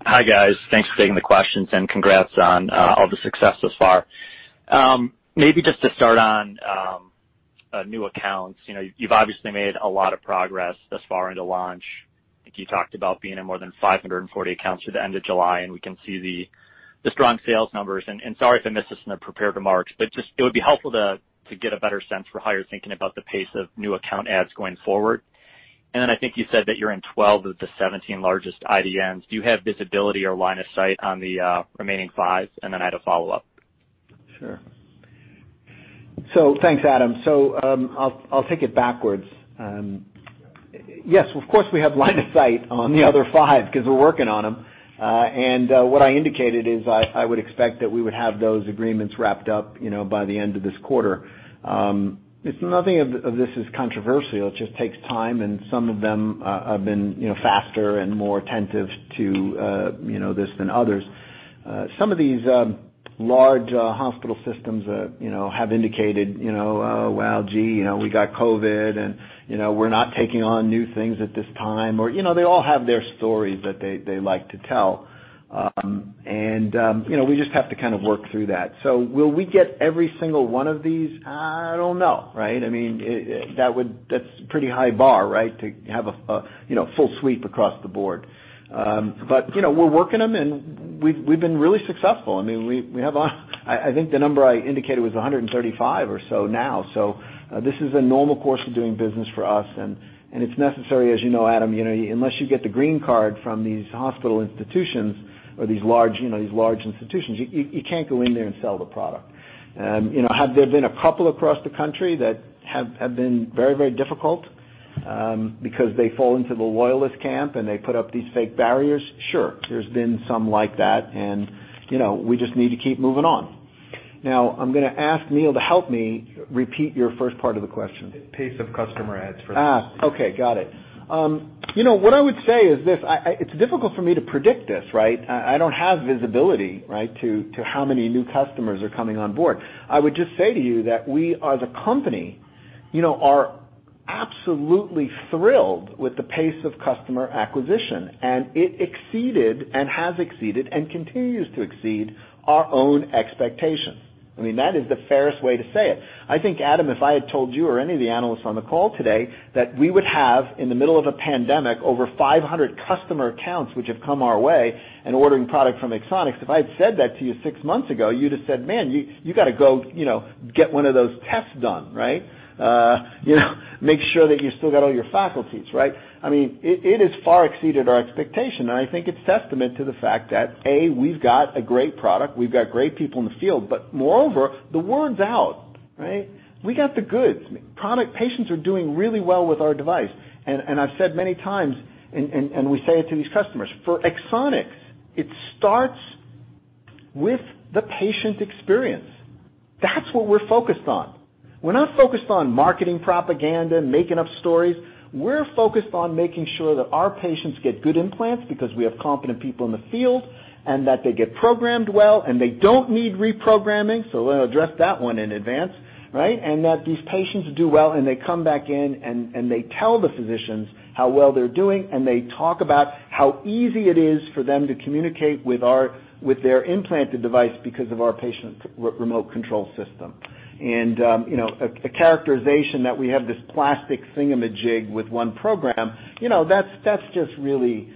Hi guys. Thanks for taking the questions. Congrats on all the success thus far. Maybe just to start on new accounts. You've obviously made a lot of progress thus far into launch. I think you talked about being in more than 540 accounts through the end of July. We can see the strong sales numbers. Sorry if I missed this in the prepared remarks, it would be helpful to get a better sense for how you're thinking about the pace of new account adds going forward. I think you said that you're in 12 of the 17 largest IDNs. Do you have visibility or line of sight on the remaining five? I had a follow-up. Sure. Thanks Adam. I'll take it backwards. Yes, of course, we have line of sight on the other five because we're working on them. What I indicated is I would expect that we would have those agreements wrapped up by the end of this quarter. Nothing of this is controversial. It just takes time, and some of them have been faster and more attentive to this than others. Some of these large hospital systems have indicated, "Well, gee, we got COVID, and we're not taking on new things at this time." They all have their stories that they like to tell. We just have to kind of work through that. Will we get every single one of these? I don't know, right? That's a pretty high bar, right? To have a full sweep across the board. We're working them, and we've been really successful. I think the number I indicated was 135 or so now. This is a normal course of doing business for us, and it's necessary, as you know, Adam, unless you get the green card from these hospital institutions or these large institutions, you can't go in there and sell the product. Have there been a couple across the country that have been very difficult because they fall into the loyalist camp, and they put up these fake barriers? Sure. There's been some like that, and we just need to keep moving on. I'm going to ask Neil to help me repeat your first part of the question. The pace of customer adds. Okay, got it. What I would say is this, it's difficult for me to predict this, right? I don't have visibility, right, to how many new customers are coming on board. I would just say to you that we, as a company, are absolutely thrilled with the pace of customer acquisition, and it exceeded and has exceeded and continues to exceed our own expectations. That is the fairest way to say it. I think, Adam, if I had told you or any of the analysts on the call today that we would have, in the middle of a pandemic, over 500 customer accounts which have come our way and ordering product from Axonics, if I had said that to you six months ago, you'd have said, "Man, you got to go get one of those tests done, right? Make sure that you still got all your faculties," right? It has far exceeded our expectation, I think it's testament to the fact that, A, we've got a great product, we've got great people in the field, but moreover, the word's out, right? We got the goods. Patients are doing really well with our device. I've said many times, and we say it to these customers, for Axonics, it starts with the patient experience. That's what we're focused on. We're not focused on marketing propaganda, making up stories. We're focused on making sure that our patients get good implants because we have competent people in the field, and that they get programmed well, and they don't need reprogramming. Let me address that one in advance, right? That these patients do well, and they come back in, and they tell the physicians how well they're doing, and they talk about how easy it is for them to communicate with their implanted device because of our patient remote control system. A characterization that we have this plastic thingamajig with one program, that's just really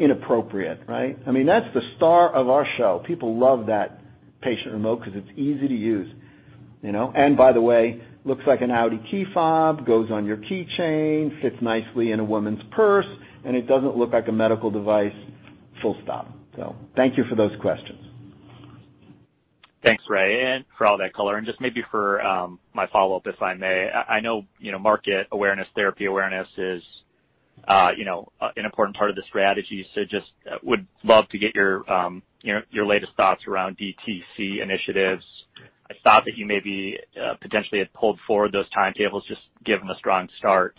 inappropriate, right? That's the star of our show. People love that patient remote because it's easy to use. By the way, looks like an Audi key fob, goes on your keychain, fits nicely in a woman's purse, and it doesn't look like a medical device, full stop. Thank you for those questions. Thanks Ray for all that color. Just maybe for my follow-up, if I may. I know market awareness, therapy awareness is an important part of the strategy. Just would love to get your latest thoughts around DTC initiatives. I thought that you maybe potentially had pulled forward those timetables just given the strong start.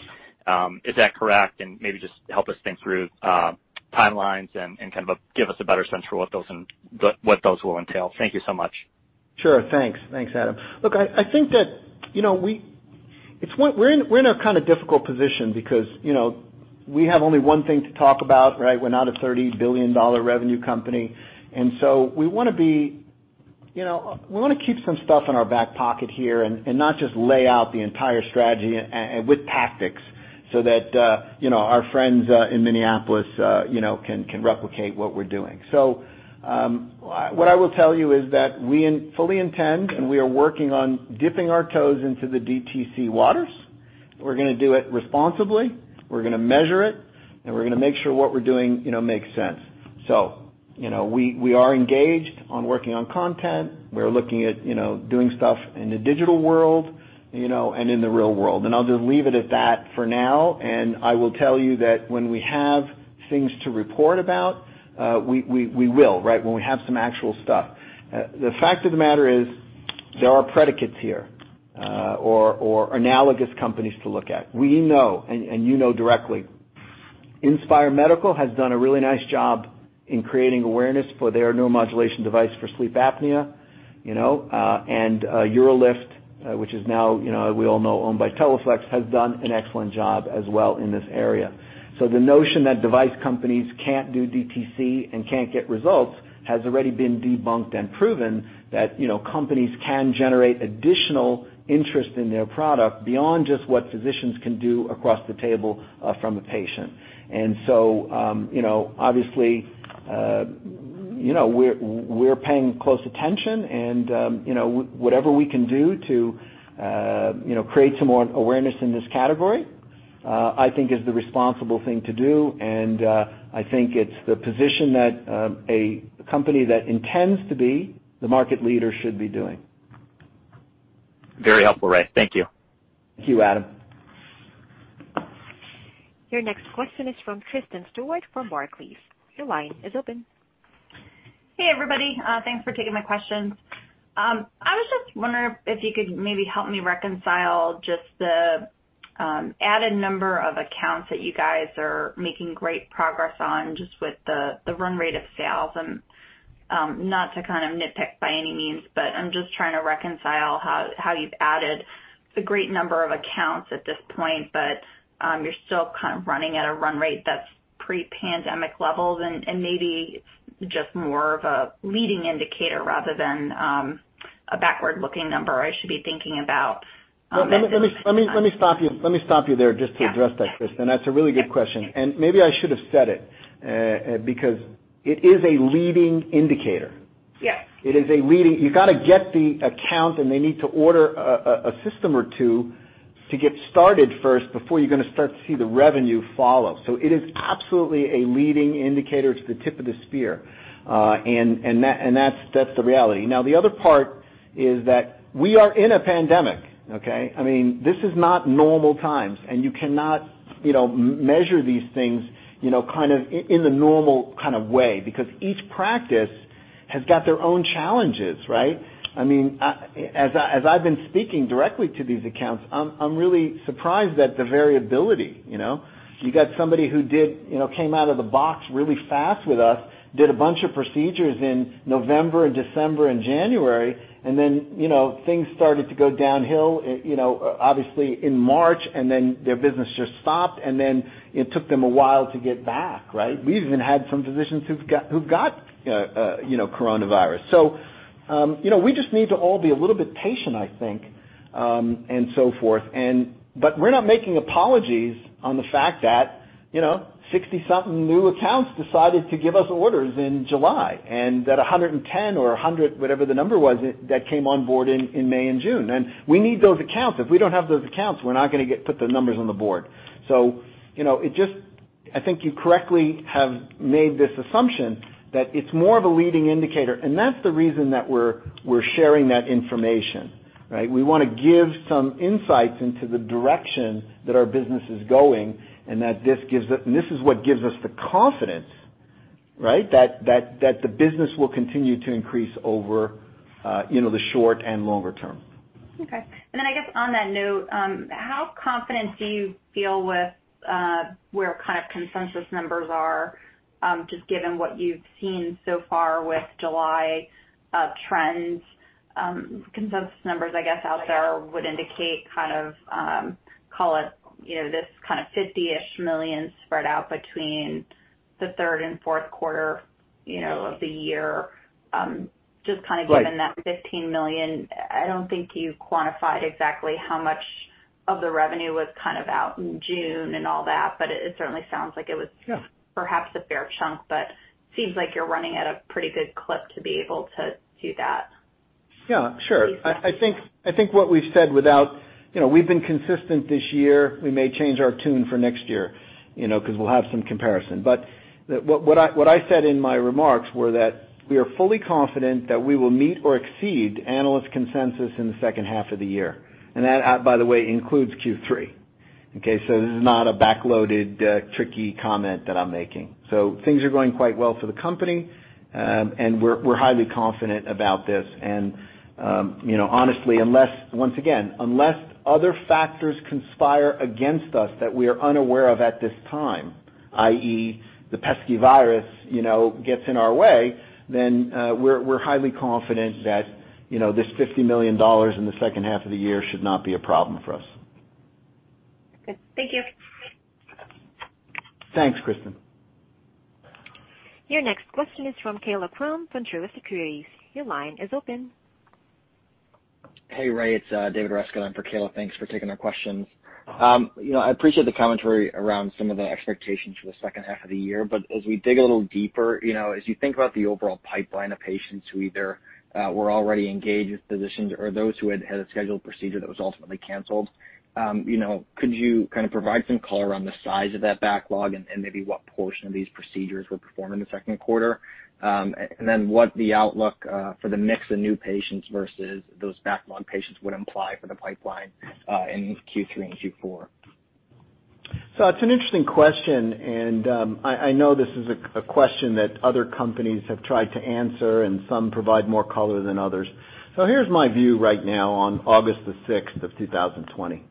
Is that correct? Maybe just help us think through timelines and kind of give us a better sense for what those will entail. Thank you so much. Thanks. Thanks Adam. I think that we're in a kind of difficult position because we have only one thing to talk about, right? We're not a $30 billion revenue company. We want to keep some stuff in our back pocket here and not just lay out the entire strategy with tactics so that our friends in Minneapolis can replicate what we're doing. What I will tell you is that we fully intend, and we are working on dipping our toes into the DTC waters. We're going to do it responsibly. We're going to measure it. We're going to make sure what we're doing makes sense. We are engaged on working on content. We're looking at doing stuff in the digital world and in the real world. I'll just leave it at that for now, and I will tell you that when we have things to report about, we will, right? When we have some actual stuff. The fact of the matter is there are predicates here or analogous companies to look at. We know, and you know directly Inspire Medical has done a really nice job in creating awareness for their neuromodulation device for sleep apnea. UroLift, which is now, we all know, owned by Teleflex, has done an excellent job as well in this area. The notion that device companies can't do DTC and can't get results has already been debunked and proven that companies can generate additional interest in their product beyond just what physicians can do across the table from a patient. Obviously, we're paying close attention and whatever we can do to create some more awareness in this category, I think is the responsible thing to do. I think it's the position that a company that intends to be the market leader should be doing. Very helpful Ray. Thank you. Thank you Adam. Your next question is from Kristen Stewart from Barclays. Your line is open. Hey everybody. Thanks for taking my questions. I was just wondering if you could maybe help me reconcile just the added number of accounts that you guys are making great progress on just with the run rate of sales, and not to kind of nitpick by any means, but I'm just trying to reconcile how you've added the great number of accounts at this point, but you're still kind of running at a run rate that's pre-pandemic levels and maybe just more of a leading indicator rather than a backward-looking number I should be thinking about? Let me stop you there just to address that Kristen. That's a really good question. Maybe I should have said it, because it is a leading indicator. Yes. You got to get the account, and they need to order a system or two to get started first before you're going to start to see the revenue follow. It is absolutely a leading indicator. It's the tip of the spear. That's the reality. The other part is that we are in a pandemic, okay? This is not normal times, and you cannot measure these things in the normal way because each practice has got their own challenges, right? As I've been speaking directly to these accounts, I'm really surprised at the variability. You got somebody who came out of the box really fast with us, did a bunch of procedures in November and December and January, and then things started to go downhill, obviously in March, and then their business just stopped, and then it took them a while to get back, right? We even had some physicians who've got coronavirus. We just need to all be a little bit patient, I think, and so forth. We're not making apologies on the fact that 60-something new accounts decided to give us orders in July, and that 110 or 100, whatever the number was, that came on board in May and June. We need those accounts. If we don't have those accounts, we're not going to put the numbers on the board. I think you correctly have made this assumption that it's more of a leading indicator, and that's the reason that we're sharing that information, right? We want to give some insights into the direction that our business is going, and this is what gives us the confidence that the business will continue to increase over the short and longer term. Okay. I guess on that note, how confident do you feel with where kind of consensus numbers are, just given what you've seen so far with July trends? Consensus numbers, I guess, out there would indicate kind of call it this kind of $50 million spread out between the third and fourth quarter of the year. Right ...given that $15 million, I don't think you've quantified exactly how much of the revenue was kind of out in June and all that, but it certainly sounds like it was. Yeah ...perhaps a fair chunk, but seems like you're running at a pretty good clip to be able to do that. Yeah sure. I think what we've said. We've been consistent this year. We may change our tune for next year because we'll have some comparison. What I said in my remarks were that we are fully confident that we will meet or exceed analyst consensus in the second half of the year. That, by the way, includes Q3. Okay. This is not a back-loaded, tricky comment that I'm making. Things are going quite well for the company, and we're highly confident about this. Honestly, once again, unless other factors conspire against us that we are unaware of at this time, i.e., the pesky virus gets in our way, then we're highly confident that this $50 million in the second half of the year should not be a problem for us. Good. Thank you. Thanks Kristen. Your next question is from Kaila Krum from Truist Securities. Your line is open. Hey Ray, it's David Rescott in for Kaila. Thanks for taking our questions. I appreciate the commentary around some of the expectations for the second half of the year, as we dig a little deeper, as you think about the overall pipeline of patients who either were already engaged with physicians or those who had a scheduled procedure that was ultimately canceled, could you kind of provide some color on the size of that backlog and maybe what portion of these procedures were performed in the second quarter? What the outlook for the mix of new patients versus those backlog patients would imply for the pipeline in Q3 and Q4. That's an interesting question, and I know this is a question that other companies have tried to answer, and some provide more color than others. Here's my view right now on August the 6th of 2020.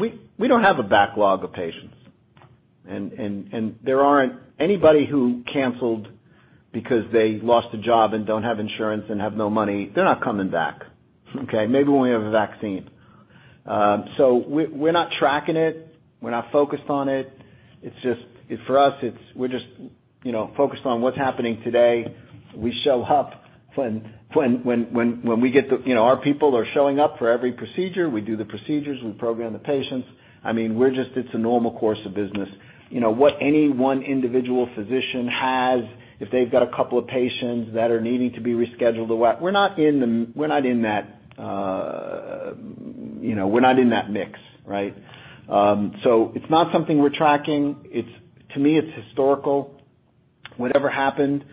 We don't have a backlog of patients. And there aren't anybody who canceled because they lost a job and don't have insurance and have no money. They're not coming back, okay? Maybe when we have a vaccine. We're not tracking it. We're not focused on it. For us, we're just focused on what's happening today. We show up when our people are showing up for every procedure. We do the procedures. We program the patients. It's a normal course of business. What any one individual physician has, if they've got a couple of patients that are needing to be rescheduled or what, we're not in that mix, right. It's not something we're tracking. To me, it's historical. Whatever happened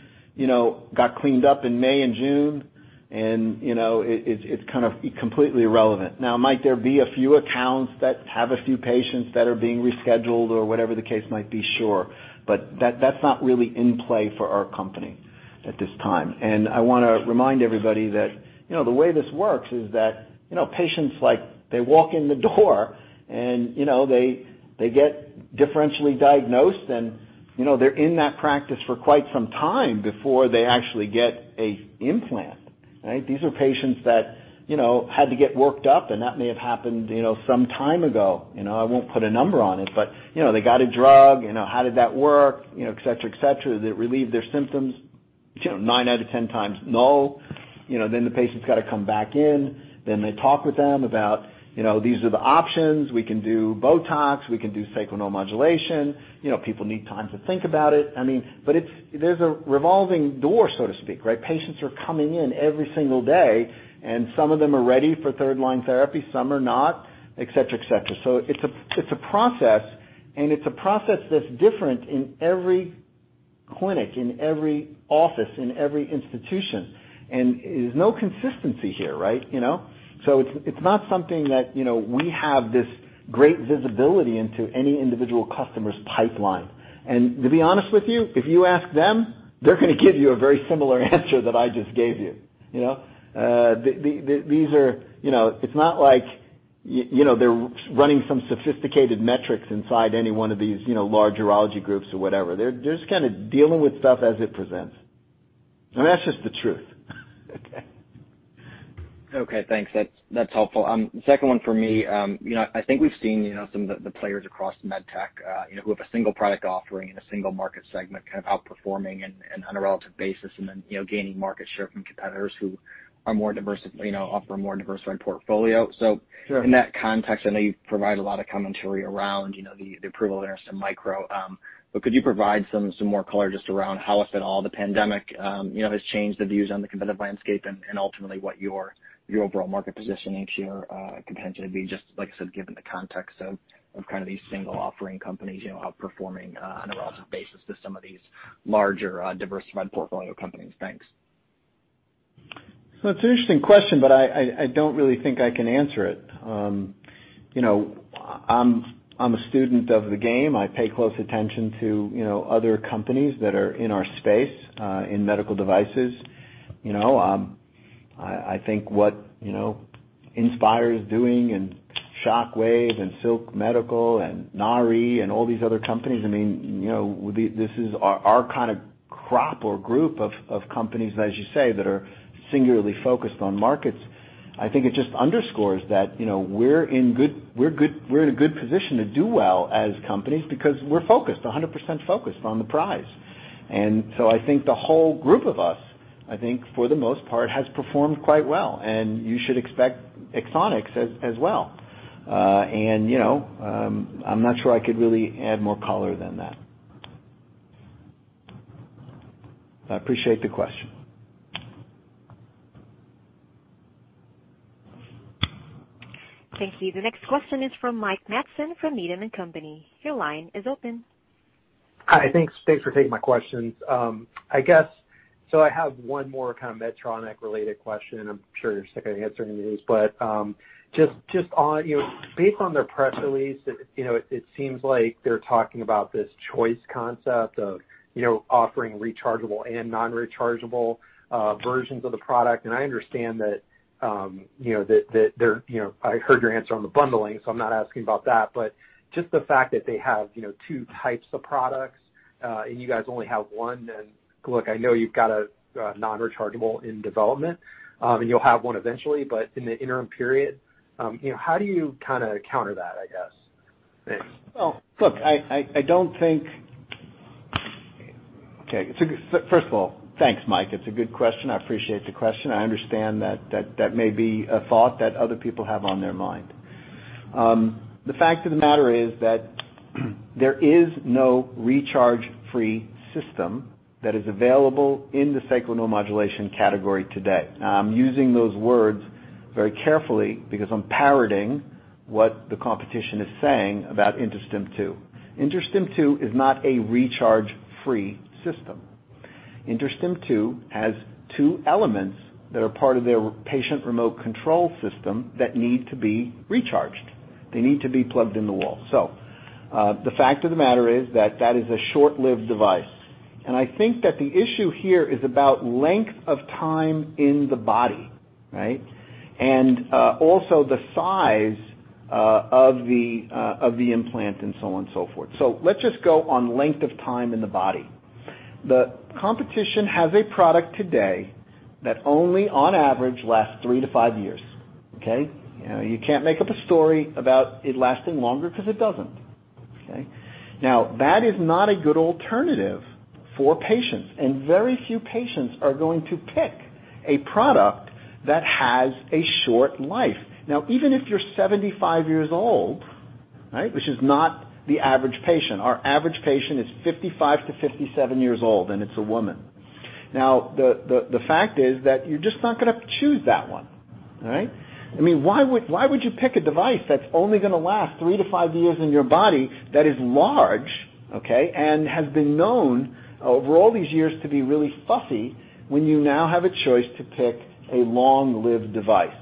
got cleaned up in May and June, it's kind of completely irrelevant. Might there be a few accounts that have a few patients that are being rescheduled or whatever the case might be? Sure. That's not really in play for our company at this time. I want to remind everybody that the way this works is that patients, they walk in the door and they get differentially diagnosed and they're in that practice for quite some time before they actually get an implant, right? These are patients that had to get worked up, and that may have happened some time ago. I won't put a number on it, they got a drug. How did that work? Et cetera. Did it relieve their symptoms? Nine out of 10x, no. The patient's got to come back in. They talk with them about these are the options. We can do Botox. We can do sacral neuromodulation. People need time to think about it. There's a revolving door, so to speak, right? Patients are coming in every single day, and some of them are ready for third-line therapy, some are not, et cetera. It's a process, and it's a process that's different in every clinic, in every office, in every institution, and there's no consistency here, right? It's not something that we have this great visibility into any individual customer's pipeline. To be honest with you, if you ask them, they're going to give you a very similar answer that I just gave you. It's not like they're running some sophisticated metrics inside any one of these large urology groups or whatever. They're just kind of dealing with stuff as it presents. That's just the truth, okay? Okay thanks. That's helpful. Second one for me. I think we've seen some of the players across med tech who have a single product offering and a single market segment kind of outperforming on a relative basis and then gaining market share from competitors who offer a more diversified portfolio. Sure. In that context, I know you provide a lot of commentary around the approval of InterStim Micro, but could you provide some more color just around how, if at all, the pandemic has changed the views on the competitive landscape and ultimately what your overall market positioning or contention would be, just like I said, given the context of kind of these single offering companies outperforming on a relative basis to some of these larger diversified portfolio companies. Thanks. It's an interesting question, but I don't really think I can answer it. I'm a student of the game. I pay close attention to other companies that are in our space in medical devices. I think what Inspire is doing and Shockwave and Silk Road Medical and Inari and all these other companies, this is our kind of crop or group of companies, as you say, that are singularly focused on markets. I think it just underscores that we're in a good position to do well as companies because we're focused, 100% focused on the prize. I think the whole group of us, I think for the most part, has performed quite well, and you should expect Axonics as well. I'm not sure I could really add more color than that. I appreciate the question. Thank you. The next question is from Mike Matson from Needham & Company. Your line is open. Hi. Thanks for taking my questions. I have one more kind of Medtronic-related question, and I'm sure you're sick of answering these, but just based on their press release, it seems like they're talking about this choice concept of offering rechargeable and non-rechargeable versions of the product. I understand that I heard your answer on the bundling, so I'm not asking about that, but just the fact that they have two types of products, and you guys only have one. Look, I know you've got a non-rechargeable in development, and you'll have one eventually, but in the interim period, how do you kind of counter that, I guess? Thanks. Well, look, first of all, thanksMike. It's a good question. I appreciate the question. I understand that may be a thought that other people have on their mind. The fact of the matter is that there is no recharge-free system that is available in the Sacral Neuromodulation category today. I'm using those words very carefully because I'm parroting what the competition is saying about InterStim II. InterStim II is not a recharge-free system. InterStim II has two elements that are part of their patient remote control system that need to be recharged. They need to be plugged in the wall. The fact of the matter is that that is a short-lived device. I think that the issue here is about length of time in the body, right? Also the size of the implant and so on and so forth. Let's just go on length of time in the body. The competition has a product today that only, on average, lasts three to five years. Okay? You can't make up a story about it lasting longer, because it doesn't. Okay? That is not a good alternative for patients, and very few patients are going to pick a product that has a short life. Even if you're 75 years old, which is not the average patient. Our average patient is 55-57 years old, and it's a woman. The fact is that you're just not going to choose that one. All right? Why would you pick a device that's only going to last 3-5 years in your body that is large, okay, and has been known over all these years to be really fussy when you now have a choice to pick a long-lived device?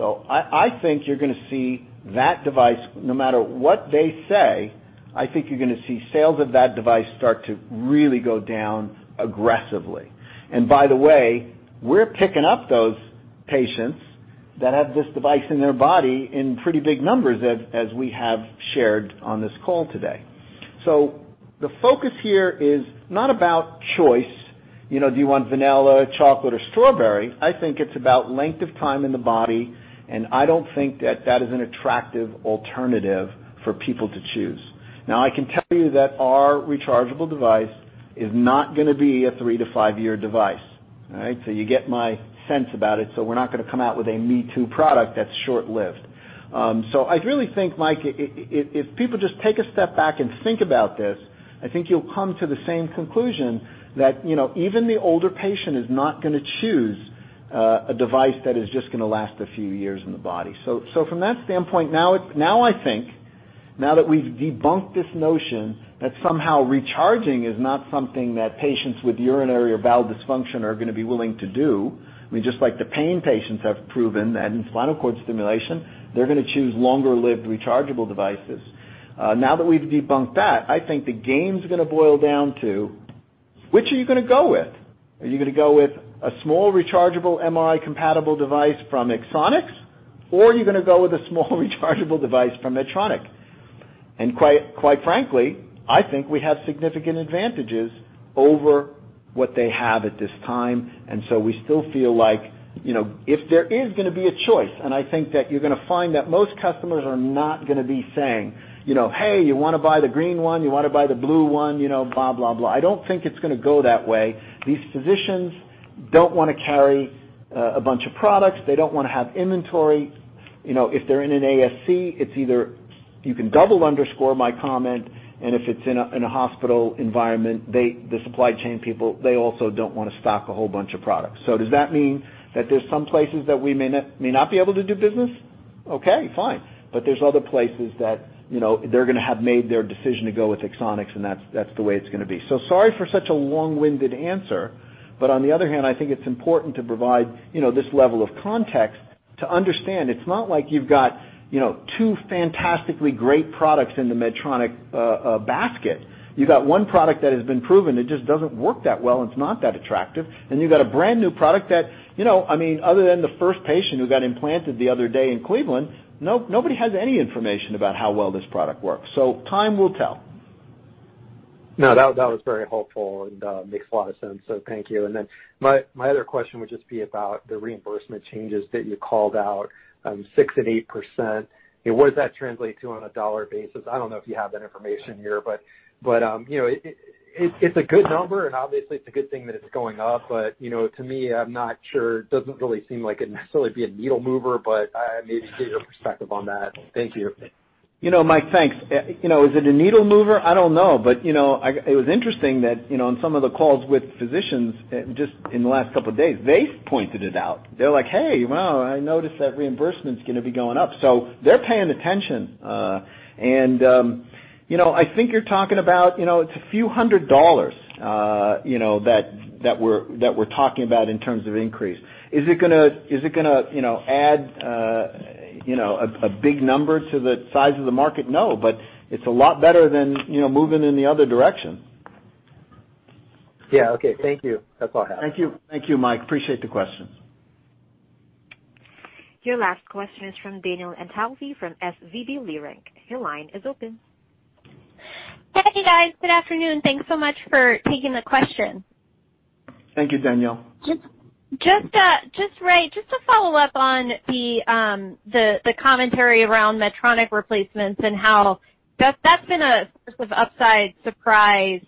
I think you're going to see that device, no matter what they say, I think you're going to see sales of that device start to really go down aggressively. By the way, we're picking up those patients that have this device in their body in pretty big numbers as we have shared on this call today. The focus here is not about choice, do you want vanilla, chocolate, or strawberry? I think it's about length of time in the body, and I don't think that that is an attractive alternative for people to choose. I can tell you that our rechargeable device is not going to be a three-to-five-year device. All right? You get my sense about it. We're not going to come out with a me-too product that's short-lived. I really think, Mike, if people just take a step back and think about this, I think you'll come to the same conclusion that even the older patient is not going to choose a device that is just going to last a few years in the body. From that standpoint, now I think now that we've debunked this notion that somehow recharging is not something that patients with urinary or bowel dysfunction are going to be willing to do. Just like the pain patients have proven that in spinal cord stimulation, they're going to choose longer-lived rechargeable devices. Now that we've debunked that, I think the game's going to boil down to which are you going to go with? Are you going to go with a small rechargeable MRI-compatible device from Axonics, or are you going to go with a small rechargeable device from Medtronic? Quite frankly, I think we have significant advantages over what they have at this time. We still feel like if there is going to be a choice, and I think that you're going to find that most customers are not going to be saying, "Hey, you want to buy the green one? You want to buy the blue one?" Blah, blah. I don't think it's going to go that way. These physicians don't want to carry a bunch of products. They don't want to have inventory. If they're in an ASC, it's either you can double underscore my comment, and if it's in a hospital environment, the supply chain people, they also don't want to stock a whole bunch of products. Does that mean that there's some places that we may not be able to do business? Okay, fine. There's other places that they're going to have made their decision to go with Axonics, and that's the way it's going to be. Sorry for such a long-winded answer, but on the other hand, I think it's important to provide this level of context to understand it's not like you've got two fantastically great products in the Medtronic basket. You've got one product that has been proven, it just doesn't work that well, and it's not that attractive. You've got a brand-new product that other than the first patient who got implanted the other day in Cleveland, nobody has any information about how well this product works. Time will tell. No, that was very helpful and makes a lot of sense. Thank you. My other question would just be about the reimbursement changes that you called out, 6% and 8%. What does that translate to on a dollar basis? I don't know if you have that information here, but it's a good number, and obviously, it's a good thing that it's going up. To me, I'm not sure. It doesn't really seem like it'd necessarily be a needle mover, but I am interested in your perspective on that. Thank you. Mike thanks. Is it a needle mover? I don't know. It was interesting that in some of the calls with physicians, just in the last couple of days, they've pointed it out. They're like, "Hey, wow, I noticed that reimbursement's going to be going up." They're paying attention. I think you're talking about it's a few hundred dollars that we're talking about in terms of increase. Is it going to add a big number to the size of the market? No, it's a lot better than moving in the other direction. Yeah okay. Thank you. That's all I have. Thank you Mike. Appreciate the questions. Your last question is from Danielle Antalffy from SVB Leerink. Your line is open. Hey guys. Good afternoon. Thanks so much for taking the question. Thank you Danielle. Just to follow up on the commentary around Medtronic replacements and how that's been a source of upside surprise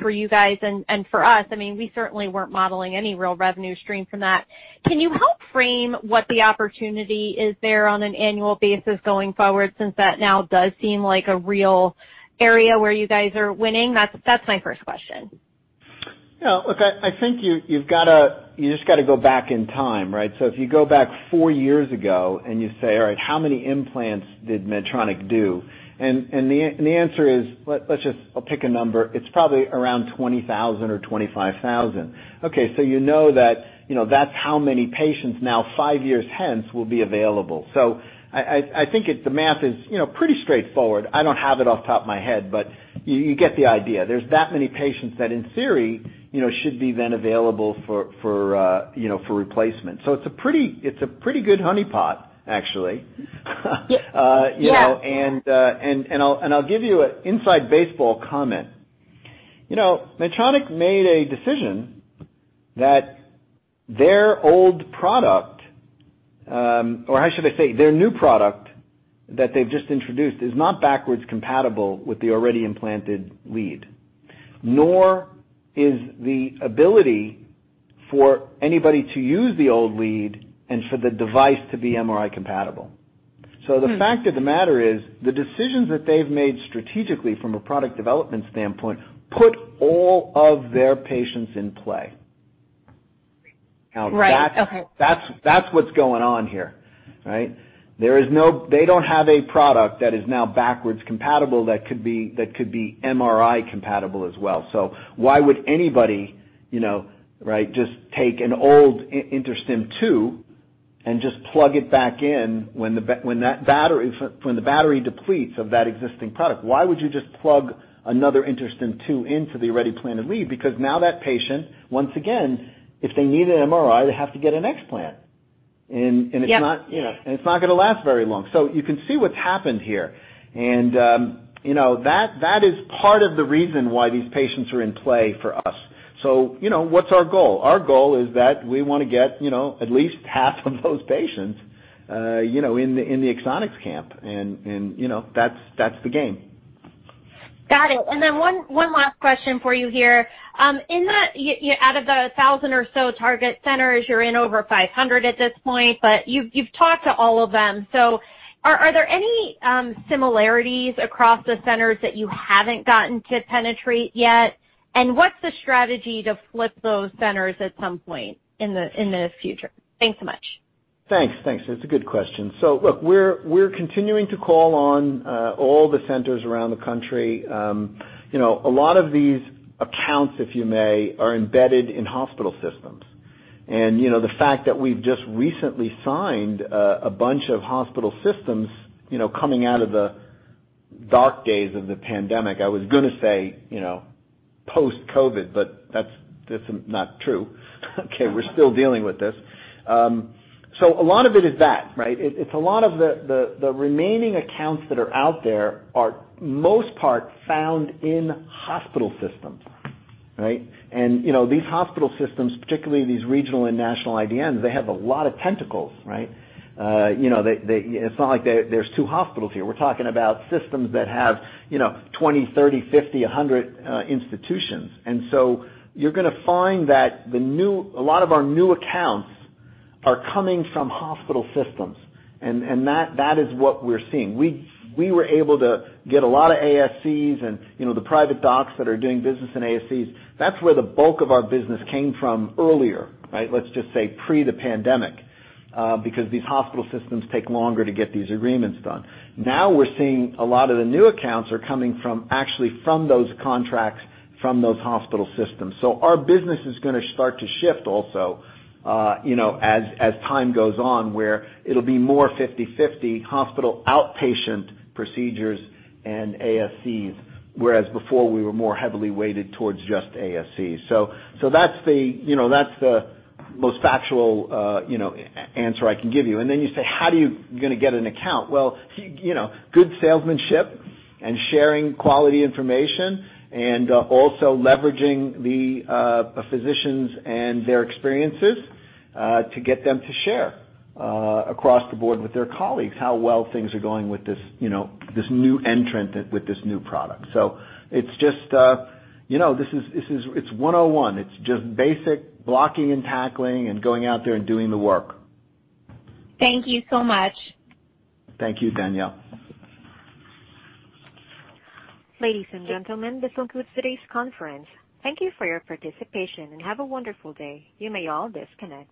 for you guys and for us. We certainly weren't modeling any real revenue stream from that. Can you help frame what the opportunity is there on an annual basis going forward, since that now does seem like a real area where you guys are winning? That's my first question. Look, I think you just got to go back in time, right? If you go back four years ago, and you say, "All right, how many implants did Medtronic do?" The answer is, I'll pick a number. It's probably around 20,000 or 25,000. Okay, you know that's how many patients now five years hence will be available. I think the math is pretty straightforward. I don't have it off the top of my head, but you get the idea. There's that many patients that, in theory, should be then available for replacement. It's a pretty good honeypot, actually. Yeah. I'll give you an inside baseball comment. Medtronic made a decision that their old product, or how should I say, their new product that they've just introduced is not backwards compatible with the already implanted lead. Nor is the ability for anybody to use the old lead and for the device to be MRI compatible. The fact of the matter is, the decisions that they've made strategically from a product development standpoint put all of their patients in play. Right. Okay. That's what's going on here, right? They don't have a product that is now backwards compatible that could be MRI compatible as well. Why would anybody just take an old InterStim II and just plug it back in when the battery depletes of that existing product? Why would you just plug another InterStim II into the already implanted lead? Now that patient, once again, if they need an MRI, they have to get an explant. Yep. It's not going to last very long. You can see what's happened here. That is part of the reason why these patients are in play for us. What's our goal? Our goal is that we want to get at least half of those patients in the Axonics camp, and that's the game. Got it. Then one last question for you here. Out of the 1,000 or so target centers, you're in over 500 at this point, but you've talked to all of them. Are there any similarities across the centers that you haven't gotten to penetrate yet? What's the strategy to flip those centers at some point in the future? Thanks so much. Thanks. It's a good question. Look, we're continuing to call on all the centers around the country. A lot of these accounts, if you may, are embedded in hospital systems. The fact that we've just recently signed a bunch of hospital systems coming out of the dark days of the pandemic, I was going to say post-COVID-19, but that's not true, okay? We're still dealing with this. A lot of it is that, right? It's a lot of the remaining accounts that are out there are most part found in hospital systems, right? These hospital systems, particularly these regional and national IDNs, they have a lot of tentacles, right? It's not like there's two hospitals here. We're talking about systems that have 20, 30, 50, 100 institutions. You're going to find that a lot of our new accounts are coming from hospital systems, and that is what we're seeing. We were able to get a lot of ASCs and the private docs that are doing business in ASCs. That's where the bulk of our business came from earlier, right? Let's just say pre the pandemic because these hospital systems take longer to get these agreements done. Now we're seeing a lot of the new accounts are coming from actually from those contracts from those hospital systems. Our business is going to start to shift also as time goes on, where it'll be more 50/50 hospital outpatient procedures and ASCs, whereas before we were more heavily weighted towards just ASCs. That's the most factual answer I can give you. You say, how do you going to get an account? Good salesmanship and sharing quality information, and also leveraging the physicians and their experiences to get them to share across the board with their colleagues how well things are going with this new entrant with this new product. It's 101. It's just basic blocking and tackling and going out there and doing the work. Thank you so much. Thank you Danielle. Ladies and gentlemen this concludes today's conference. Thank you for your participation and have a wonderful day. You may all disconnect.